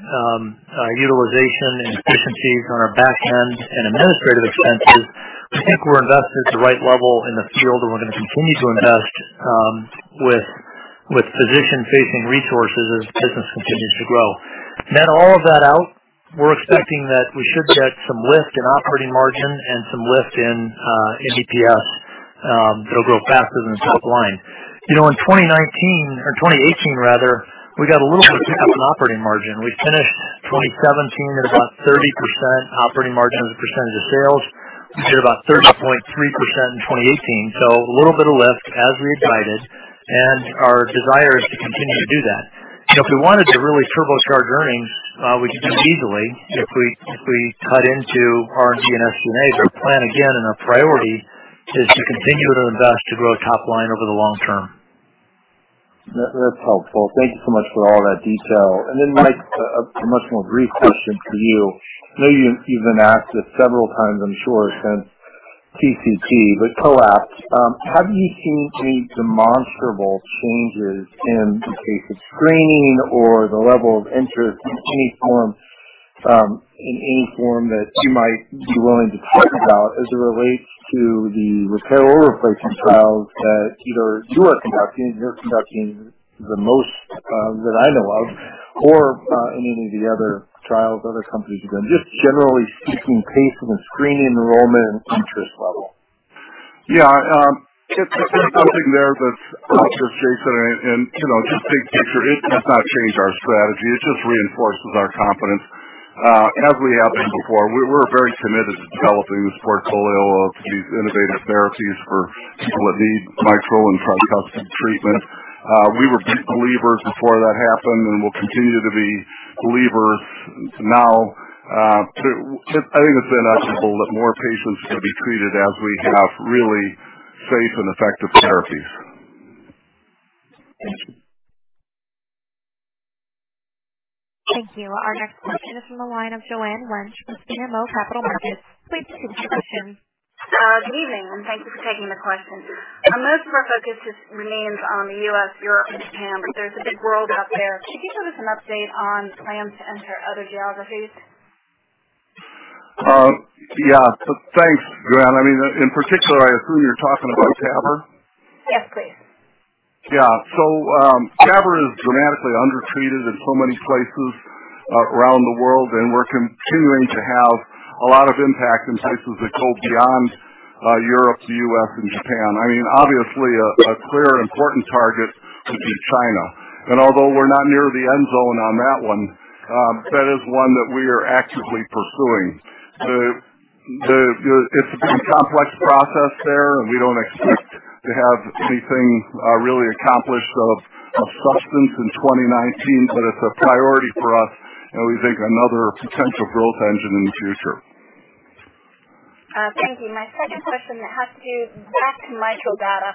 D: utilization and efficiencies on our back end and administrative expenses, we think we're invested at the right level in the field, and we're going to continue to invest with physician-facing resources as business continues to grow. Net all of that out, we're expecting that we should get some lift in operating margin and some lift in EPS. It'll grow faster than the top line. In 2019, or 2018 rather, we got a little bit of tap in operating margin. We finished 2017 at about 30% operating margin as a percentage of sales. We did about 30.3% in 2018. A little bit of lift as we had guided, and our desire is to continue to do that. If we wanted to really turbocharge earnings, we could do it easily if we cut into R&D and SG&A. Our plan, again, and our priority is to continue to invest, to grow top line over the long term.
J: That's helpful. Thank you so much for all that detail. Mike, a much more brief question for you. Maybe you've been asked it several times, I'm sure, since TCT, but COAPT. Have you seen any demonstrable changes in the case of screening or the level of interest in any form that you might be willing to talk about as it relates to the repair or replacement trials that either you are conducting, you're conducting the most that I know of, or in any of the other trials other companies are doing? Just generally speaking, pace of screening, enrollment, and interest level.
C: Just to jump in there, Jason, big picture, it has not changed our strategy. It just reinforces our confidence. As we have been before, we're very committed to developing this portfolio of these innovative therapies for people that need mitral and tricuspid treatment. We were big believers before that happened, and we'll continue to be believers now. I think it's inevitable that more patients can be treated as we have really safe and effective therapies.
J: Thank you.
A: Thank you. Our next question is from the line of Joanne Wuensch from BMO Capital Markets. Please proceed with your question.
K: Good evening. Thank you for taking the questions. Most of our focus remains on the U.S., Europe, and Japan, there's a big world out there. Could you give us an update on plans to enter other geographies?
C: Yeah. Thanks, Joanne. In particular, I assume you're talking about TAVR?
K: Yes, please.
C: Yeah. TAVR is dramatically undertreated in so many places around the world, we're continuing to have a lot of impact in places that go beyond Europe, the U.S., and Japan. Obviously, a clear and important target would be China. Although we're not near the end zone on that one, that is one that we are actively pursuing. It's a complex process there, we don't expect to have anything really accomplished of substance in 2019. It's a priority for us and we think another potential growth engine in the future.
K: Thank you. My second question has to do, back to mitral data.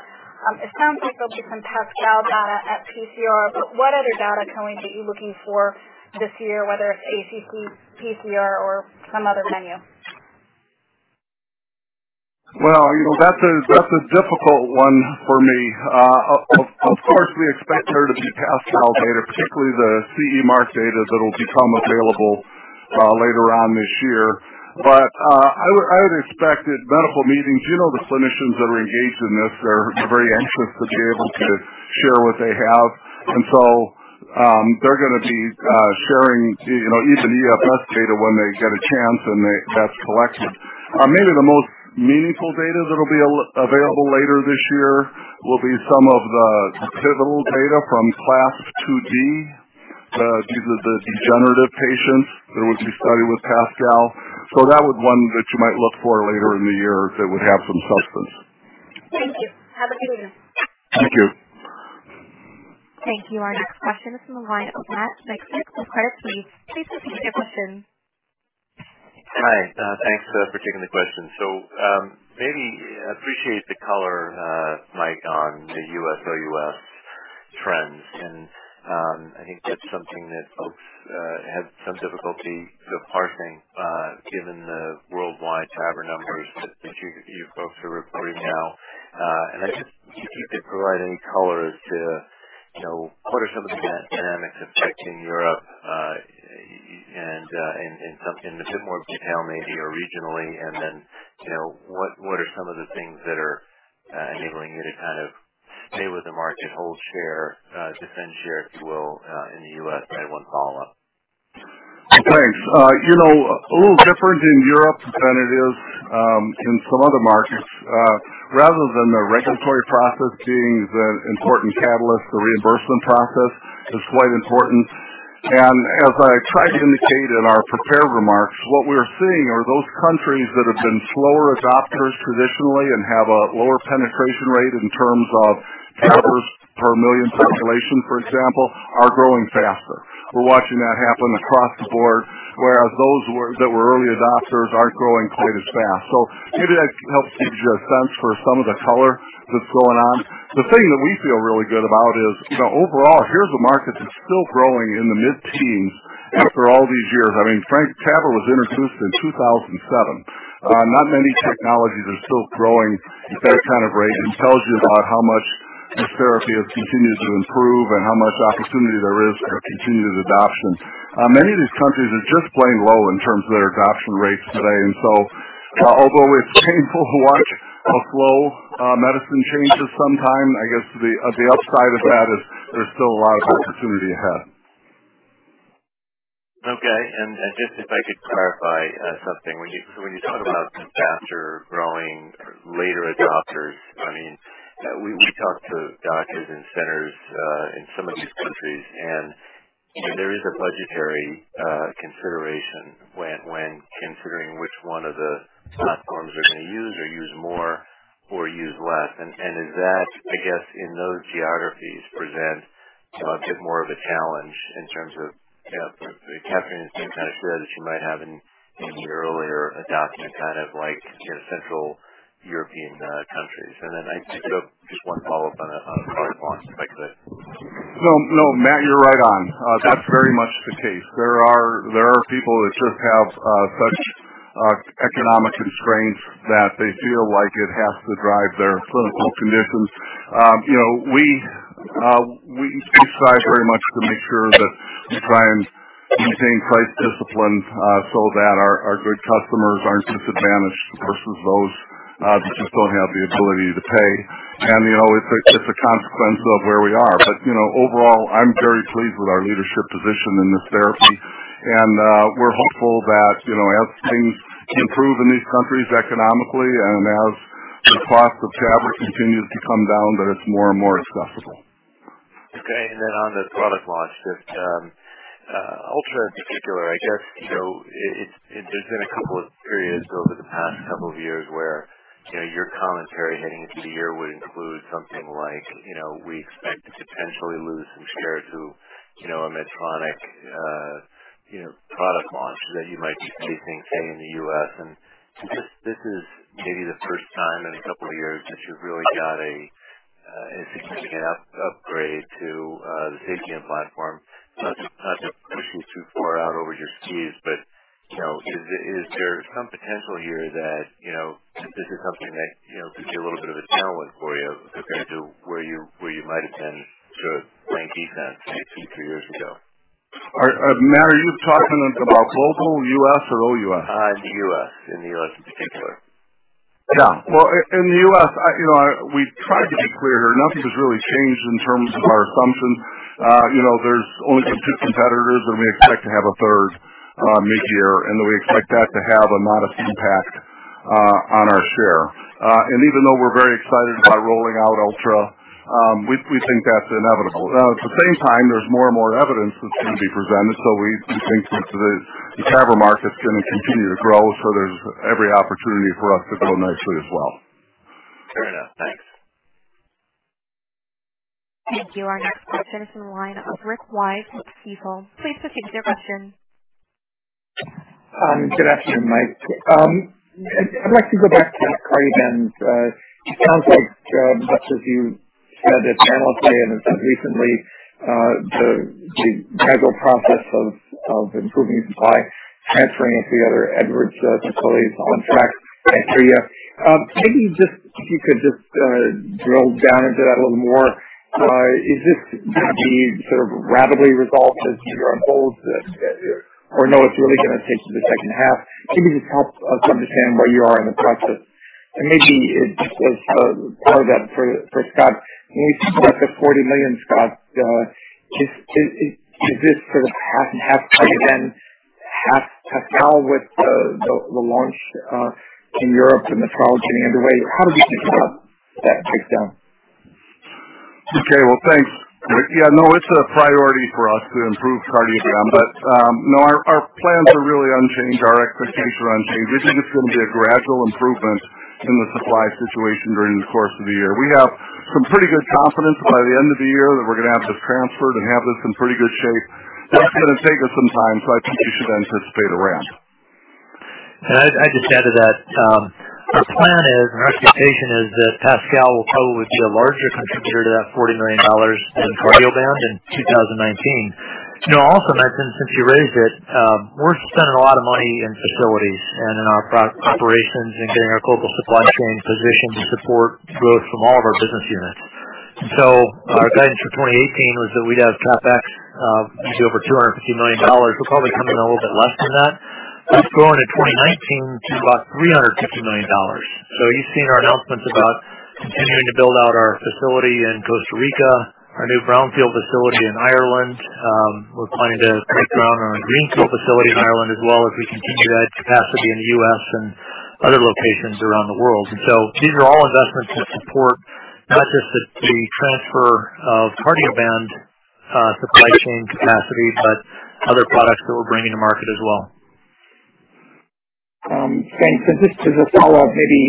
K: It sounds like there'll be some PASCAL data at PCR, what other data can we be looking for this year, whether it's ACC, PCR, or some other venue?
C: Well, that's a difficult one for me. Of course, we expect there to be PASCAL data, particularly the CE Mark data that'll become available later on this year. I would expect at medical meetings, the clinicians that are engaged in this are very anxious to be able to share what they have. They're going to be sharing even EFS data when they get a chance and that's collected. Maybe the most meaningful data that'll be available later this year will be some of the pivotal data from CLASP IID. These are the degenerative patients. There was a study with PASCAL. That was one that you might look for later in the year that would have some substance.
K: Thank you. Have a good evening.
C: Thank you.
A: Thank you. Our next question is from the line of Matt Miksic from Credit Suisse. Please proceed with your question.
L: Hi. Thanks for taking the question. Maybe appreciate the color, Mike, on the U.S., O.U.S. trends, and I think that's something that folks had some difficulty parsing given the worldwide TAVR numbers that you folks are reporting now. If you could provide any color as to what are some of the dynamics at play in Europe and in a bit more detail maybe or regionally, and then what are some of the things that are enabling you to kind of stay with the market, hold share, defend share, if you will, in the U.S.? I have one follow-up.
C: Thanks. A little different in Europe than it is in some other markets. Rather than the regulatory process being the important catalyst, the reimbursement process is quite important. As I tried to indicate in our prepared remarks, what we're seeing are those countries that have been slower adopters traditionally and have a lower penetration rate in terms of TAVRs per million population, for example, are growing faster. We're watching that happen across the board, whereas those that were early adopters aren't growing quite as fast. Maybe that helps gives you a sense for some of the color that's going on. The thing that we feel really good about is, overall, here's a market that's still growing in the mid-teens after all these years. Frank, TAVR was introduced in 2007. Not many technologies are still growing at that kind of rate. It tells you about how much this therapy has continued to improve and how much opportunity there is for continued adoption. Many of these countries are just playing low in terms of their adoption rates today. Although it's painful to watch how slow medicine changes sometimes, I guess the upside of that is there's still a lot of opportunity ahead.
L: Okay. Just if I could clarify something. When you talk about faster-growing later adopters, we talk to doctors and centers in some of these countries, there is a budgetary consideration when considering which one of the platforms they're going to use or use more or use less. Does that, I guess, in those geographies present a bit more of a challenge in terms of, traction has been kind of good, as you might have in some of your earlier adoption, like central European countries. Then I just have just one follow-up on a product launch, if I could.
C: No. Matt, you're right on. That's very much the case. There are people that just have such economic constraints that they feel like it has to drive their clinical conditions. We decide very much to make sure that we try and maintain price discipline so that our good customers aren't disadvantaged versus those that just don't have the ability to pay. It's a consequence of where we are. Overall, I'm very pleased with our leadership position in this therapy, and we're hopeful that as things improve in these countries economically and as the cost of TAVR continues to come down, that it's more and more accessible.
L: Okay. Then on the product launch, Ultra in particular, I guess, there's been a couple of periods over the past couple of years where your commentary heading into the year would include something like, we expect to potentially lose some share to a Medtronic product launch that you might be facing in the U.S. This is maybe the first time in a couple of years that you've really got a significant upgrade to the SAPIEN platform. Not to push you too far out over your skis, but is there some potential here that this is something that could be a little bit of a challenge for you compared to where you might have been sort of playing defense two, three years ago?
C: Matt, are you talking about global, U.S., or OUS?
L: The U.S. In the U.S. in particular.
C: Yeah. Well, in the U.S., we've tried to be clear here. Nothing has really changed in terms of our assumptions. There's only some two competitors, and we expect to have a third mid-year, and then we expect that to have a modest impact on our share. Even though we're very excited about rolling out Ultra, we think that's inevitable. At the same time, there's more and more evidence that's going to be presented. We think that the TAVR market's going to continue to grow, there's every opportunity for us to grow nicely as well.
L: Fair enough. Thanks.
A: Thank you. Our next question is from the line of Rick Wise, Stifel. Please proceed with your question.
M: Good afternoon, Mike. I'd like to go back to PASCAL. It sounds like, much as you said at Analyst Day and have said recently, the gradual process of improving supply, transferring it to the other Edwards facilities is on track. If you could just drill down into that a little more. Is this going to be sort of rapidly resolved as the year unfolds? No, it's really going to take you to the second half. Just help us understand where you are in the process. Just as a follow-up for Scott, when you talk about the $40 million, Scott, is this sort of half and half Cardioband, half PASCAL with the launch in Europe and the trial getting underway? How do we think about that breakdown?
C: Thanks, Rick. It's a priority for us to improve Cardioband. Our plans are really unchanged. Our expectations are unchanged. We think it's going to be a gradual improvement in the supply situation during the course of the year. We have some pretty good confidence by the end of the year that we're going to have this transferred and have this in pretty good shape. That's going to take us some time, so I think you should anticipate a ramp.
D: I'd just add to that. Our plan is, and our expectation is that PASCAL will probably be a larger contributor to that $40 million than Cardioband in 2019. Also, Matt, since you raised it, we're spending a lot of money in facilities and in our operations and getting our global supply chain positioned to support growth from all of our business units. Our guidance for 2018 was that we'd have CapEx of over $250 million. We'll probably come in a little bit less than that. We've grown in 2019 to about $350 million. You've seen our announcements about continuing to build out our facility in Costa Rica, our new brownfield facility in Ireland. We're planning to break ground on a greenfield facility in Ireland as well as we continue to add capacity in the U.S. and other locations around the world. These are all investments that support not just the transfer of Cardioband supply chain capacity, but other products that we're bringing to market as well.
M: Thanks. Just as a follow-up, maybe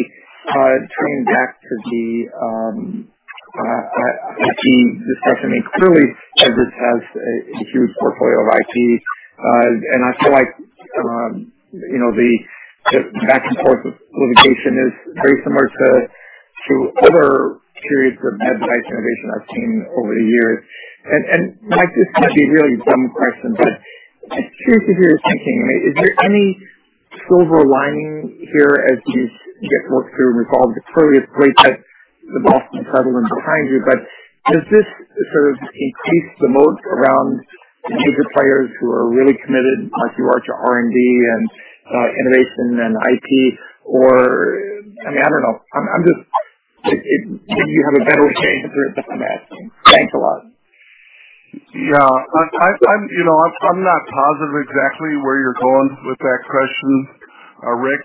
M: turning back to the IP discussion. Clearly, Edwards has a huge portfolio of IP, and I feel like the back and forth with litigation is very similar to other periods where med device innovation has changed over the years. Mike, this might be a really dumb question, but I'm curious if you were thinking, is there any silver lining here as you get more through and resolve this? Clearly, it's great that the Boston Scientific is behind you, but does this sort of increase the moat around major players who are really committed, much you are, to R&D and innovation and IP? I don't know. You have a better chance at it, I'm asking. Thanks a lot.
C: Yeah. I'm not positive exactly where you're going with that question, Rick.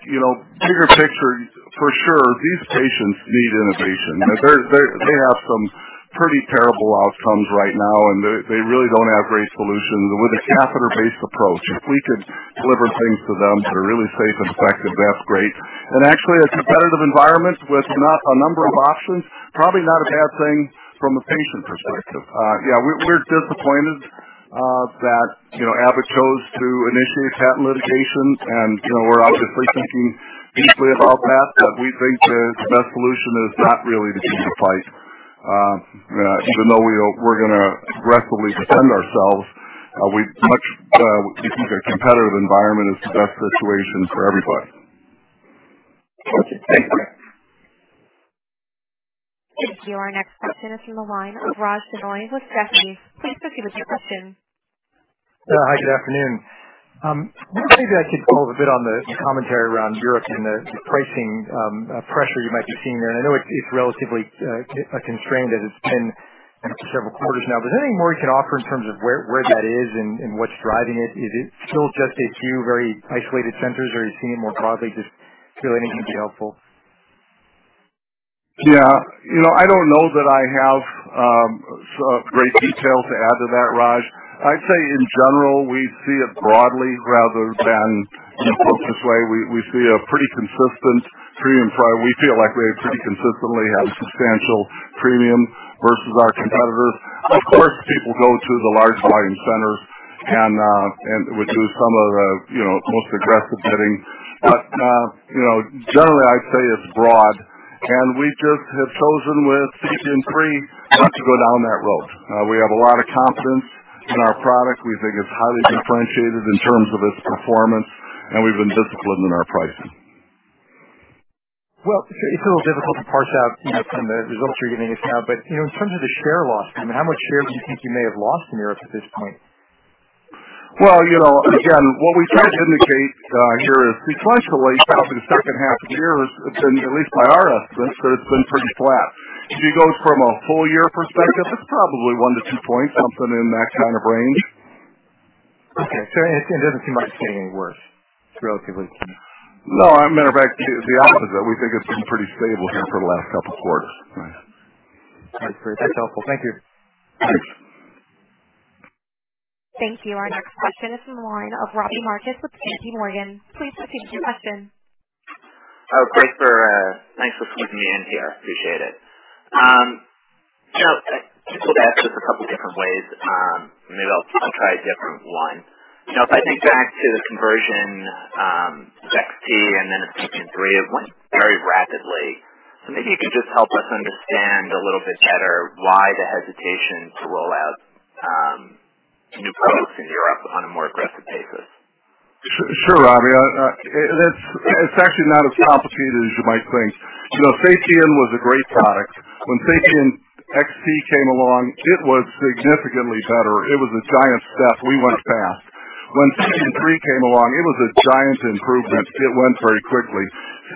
C: Bigger picture, for sure, these patients need innovation. They have some pretty terrible outcomes right now, and they really don't have great solutions. With a catheter-based approach, if we could deliver things to them that are really safe and effective, that's great. Actually, a competitive environment with a number of options, probably not a bad thing from a patient perspective. Yeah, we're disappointed that Abbott chose to initiate patent litigation, and we're obviously thinking deeply about that. We think the best solution is not really to choose a fight. Even though we're going to aggressively defend ourselves, we think a competitive environment is the best situation for everybody.
M: Okay, thanks.
A: Thank you. Our next question is from the line of Raj Denhoy with Jefferies. Please proceed with your question.
N: Hi, good afternoon. Maybe I could follow a bit on the commentary around Europe and the pricing pressure you might be seeing there. I know it's relatively constrained as it's been for several quarters now, but is there any more you can offer in terms of where that is and what's driving it? Is it still just a few very isolated centers, or are you seeing it more broadly? Just anything would be helpful.
C: Yeah. I don't know that I have great detail to add to that, Raj. I'd say in general, we see it broadly rather than in a focused way. We see a pretty consistent premium. We feel like we have pretty consistently had substantial premium versus our competitors. Of course, people go to the large volume centers and would do some of the most aggressive bidding. Generally, I'd say it's broad, and we just have chosen with SAPIEN 3 not to go down that road. We have a lot of confidence in our product. We think it's highly differentiated in terms of its performance, and we've been disciplined in our pricing.
N: Well, it's a little difficult to parse out from the results you're giving us now. In terms of the share loss, how much share do you think you may have lost in Europe at this point?
C: Well, again, what we tried to indicate here is sequentially, probably the second half of the year, at least by our estimates, that it's been pretty flat. If you go from a full-year perspective, it's probably one to two points, something in that kind of range.
N: Okay. It doesn't seem like it's getting any worse, relatively speaking.
C: No, a matter of fact, the opposite. We think it's been pretty stable here for the last couple of quarters.
N: All right, great. That's helpful. Thank you.
C: Thanks.
A: Thank you. Our next question is from the line of Robbie Marcus with JPMorgan. Please proceed with your question.
O: Thanks for squeezing me in here. Appreciate it. I could ask this a couple of different ways. Maybe I'll try a different one. If I think back to the conversion, [XT], and then of SAPIEN 3, it went very rapidly. Maybe you could just help us understand a little bit better why the hesitation to roll out new products in Europe on a more aggressive basis.
C: Sure, Robbie. It's actually not as complicated as you might think. SAPIEN was a great product. When SAPIEN XT came along, it was significantly better. It was a giant step. We went fast. When SAPIEN 3 came along, it was a giant improvement. It went very quickly.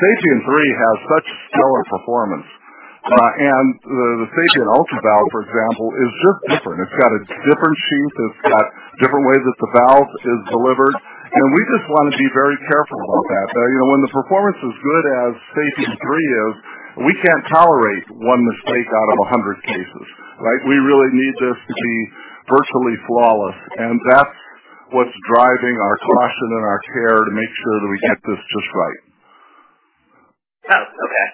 C: SAPIEN 3 has such stellar performance. The SAPIEN Ultra, for example, is just different. It's got a different sheath. It's got different ways that the valve is delivered. We just want to be very careful about that. When the performance is good as SAPIEN 3 is, we can't tolerate one mistake out of 100 cases, right? We really need this to be virtually flawless, and that's what's driving our caution and our care to make sure that we get this just right.
O: Okay.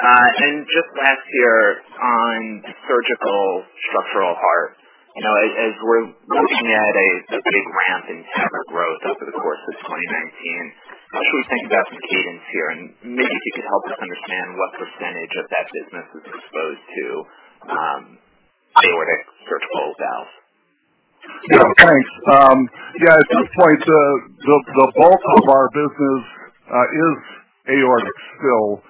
O: Helpful. Just last here on surgical structural heart. As we're looking at a big ramp in TAVR growth over the course of 2019, how should we think about the cadence here? Maybe if you could help us understand what percentage of that business is exposed to aortic surgical valve?
C: Thanks. At this point, the bulk of our business is aortic still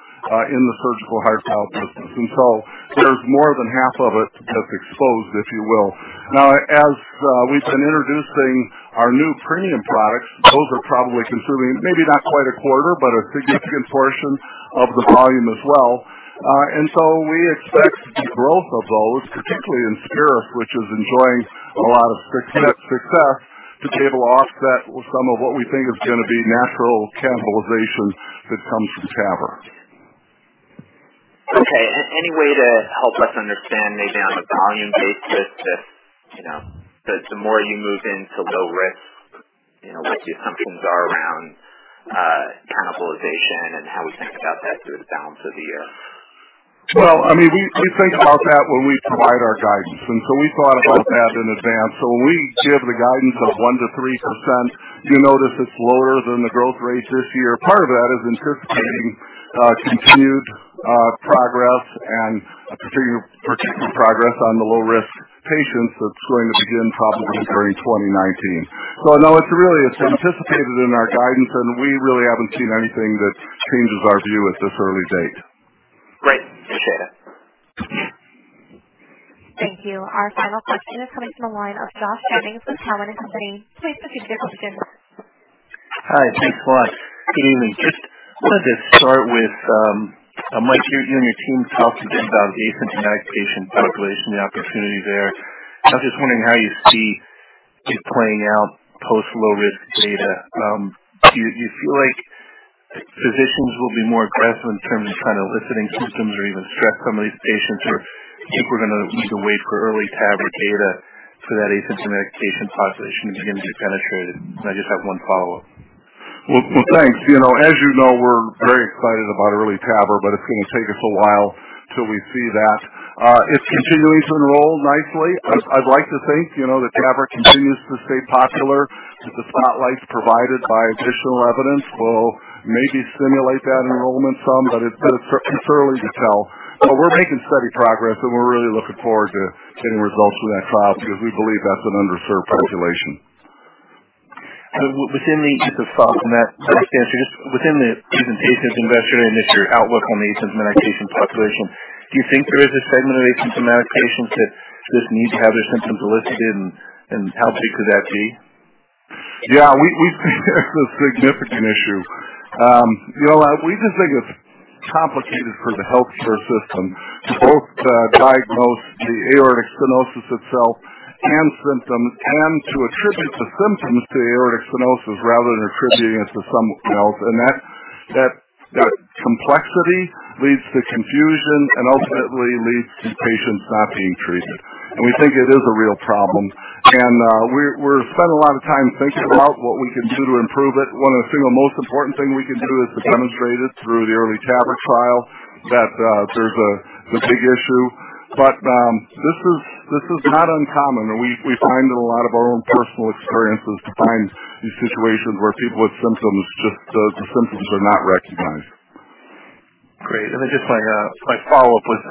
C: in the surgical heart valve business. There's more than half of it that's exposed, if you will. Now, as we've been introducing our new premium products, those are probably consuming, maybe not quite a quarter, but a significant portion of the volume as well. We expect the growth of those, particularly in INSPIRIS, which is enjoying a lot of success, to be able to offset some of what we think is going to be natural cannibalization that comes from TAVR.
O: Okay. Any way to help us understand, maybe on a volume basis, that the more you move into low risk, what your assumptions are around cannibalization and how we think about that through the balance of the year?
C: Well, we think about that when we provide our guidance. We thought about that in advance. When we give the guidance of 1%-3%, you notice it's lower than the growth rate this year. Part of that is anticipating continued progress and particular progress on the low-risk patients that's going to begin probably during 2019. No, it's really anticipated in our guidance, and we really haven't seen anything that changes our view at this early date.
O: Great. Appreciate it.
A: Thank you. Our final question is coming from the line of Josh Jennings with Cowen and Company. Please proceed with your question.
P: Hi. Thanks a lot. Good evening. Just wanted to start with, Mike, you and your team talked again about the asymptomatic patient population and the opportunity there. I was just wondering how you see it playing out post low-risk data. Do you feel like physicians will be more aggressive in terms of eliciting symptoms or even stress from these patients? Or do you think we're going to need to wait for EARLY TAVR data for that asymptomatic patient population to begin to be penetrated? I just have one follow-up.
C: Well, thanks. As you know, we're very excited about EARLY TAVR, but it's going to take us a while till we see that. It's continuing to enroll nicely. I'd like to think that TAVR continues to stay popular with the spotlight provided by additional evidence will maybe stimulate that enrollment some, but it's too early to tell. We're making steady progress, and we're really looking forward to getting results from that trial because we believe that's an underserved population.
P: Just to soften that last answer, just within the presentation today and just your outlook on the asymptomatic patient population, do you think there is a segment of asymptomatic patients that just need to have their symptoms elicited, and how big could that be?
C: Yeah, we think it's a significant issue. We just think it's complicated for the healthcare system to both diagnose the aortic stenosis itself and symptoms and to attribute the symptoms to aortic stenosis rather than attributing it to something else. That complexity leads to confusion and ultimately leads to patients not being treated. We think it is a real problem. We're spending a lot of time thinking about what we can do to improve it. One of the single most important thing we can do is to demonstrate it through the EARLY TAVR trial that there's a big issue. This is not uncommon, and we find that a lot of our own personal experiences find these situations where people with symptoms, just the symptoms are not recognized.
P: Great. Just my follow-up was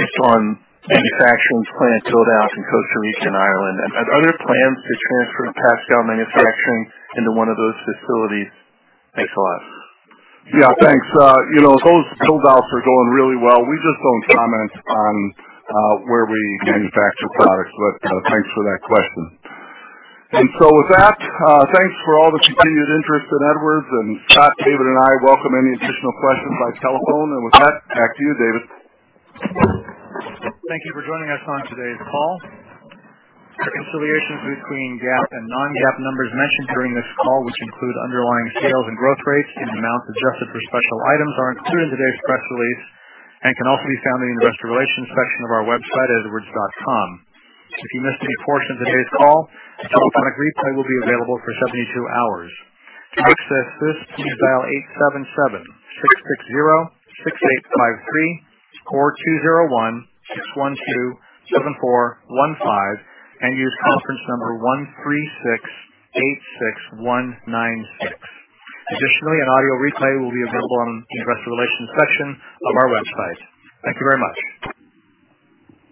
P: just on manufacturing's plant build-outs in Costa Rica and Ireland. Are there plans to transfer PASCAL manufacturing into one of those facilities? Thanks a lot.
C: Yeah, thanks. Those build-outs are going really well. We just don't comment on where we manufacture products. Thanks for that question. With that, thanks for all the continued interest in Edwards. Scott, David, and I welcome any additional questions by telephone. With that, back to you, David.
B: Thank you for joining us on today's call. The reconciliations between GAAP and non-GAAP numbers mentioned during this call, which include underlying sales and growth rates and amounts adjusted for special items, are included in today's press release and can also be found in the investor relations section of our website at edwards.com. If you missed any portion of today's call, a telephonic replay will be available for 72 hours. To access this, please dial 877-660-6853 or 201-612-7415 and use conference number 13686196. Additionally, an audio replay will be available on the investor relations section of our website. Thank you very much.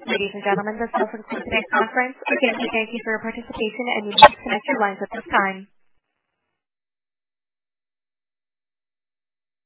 A: Ladies and gentlemen, this concludes today's conference. Again, we thank you for your participation and you may disconnect your lines at this time.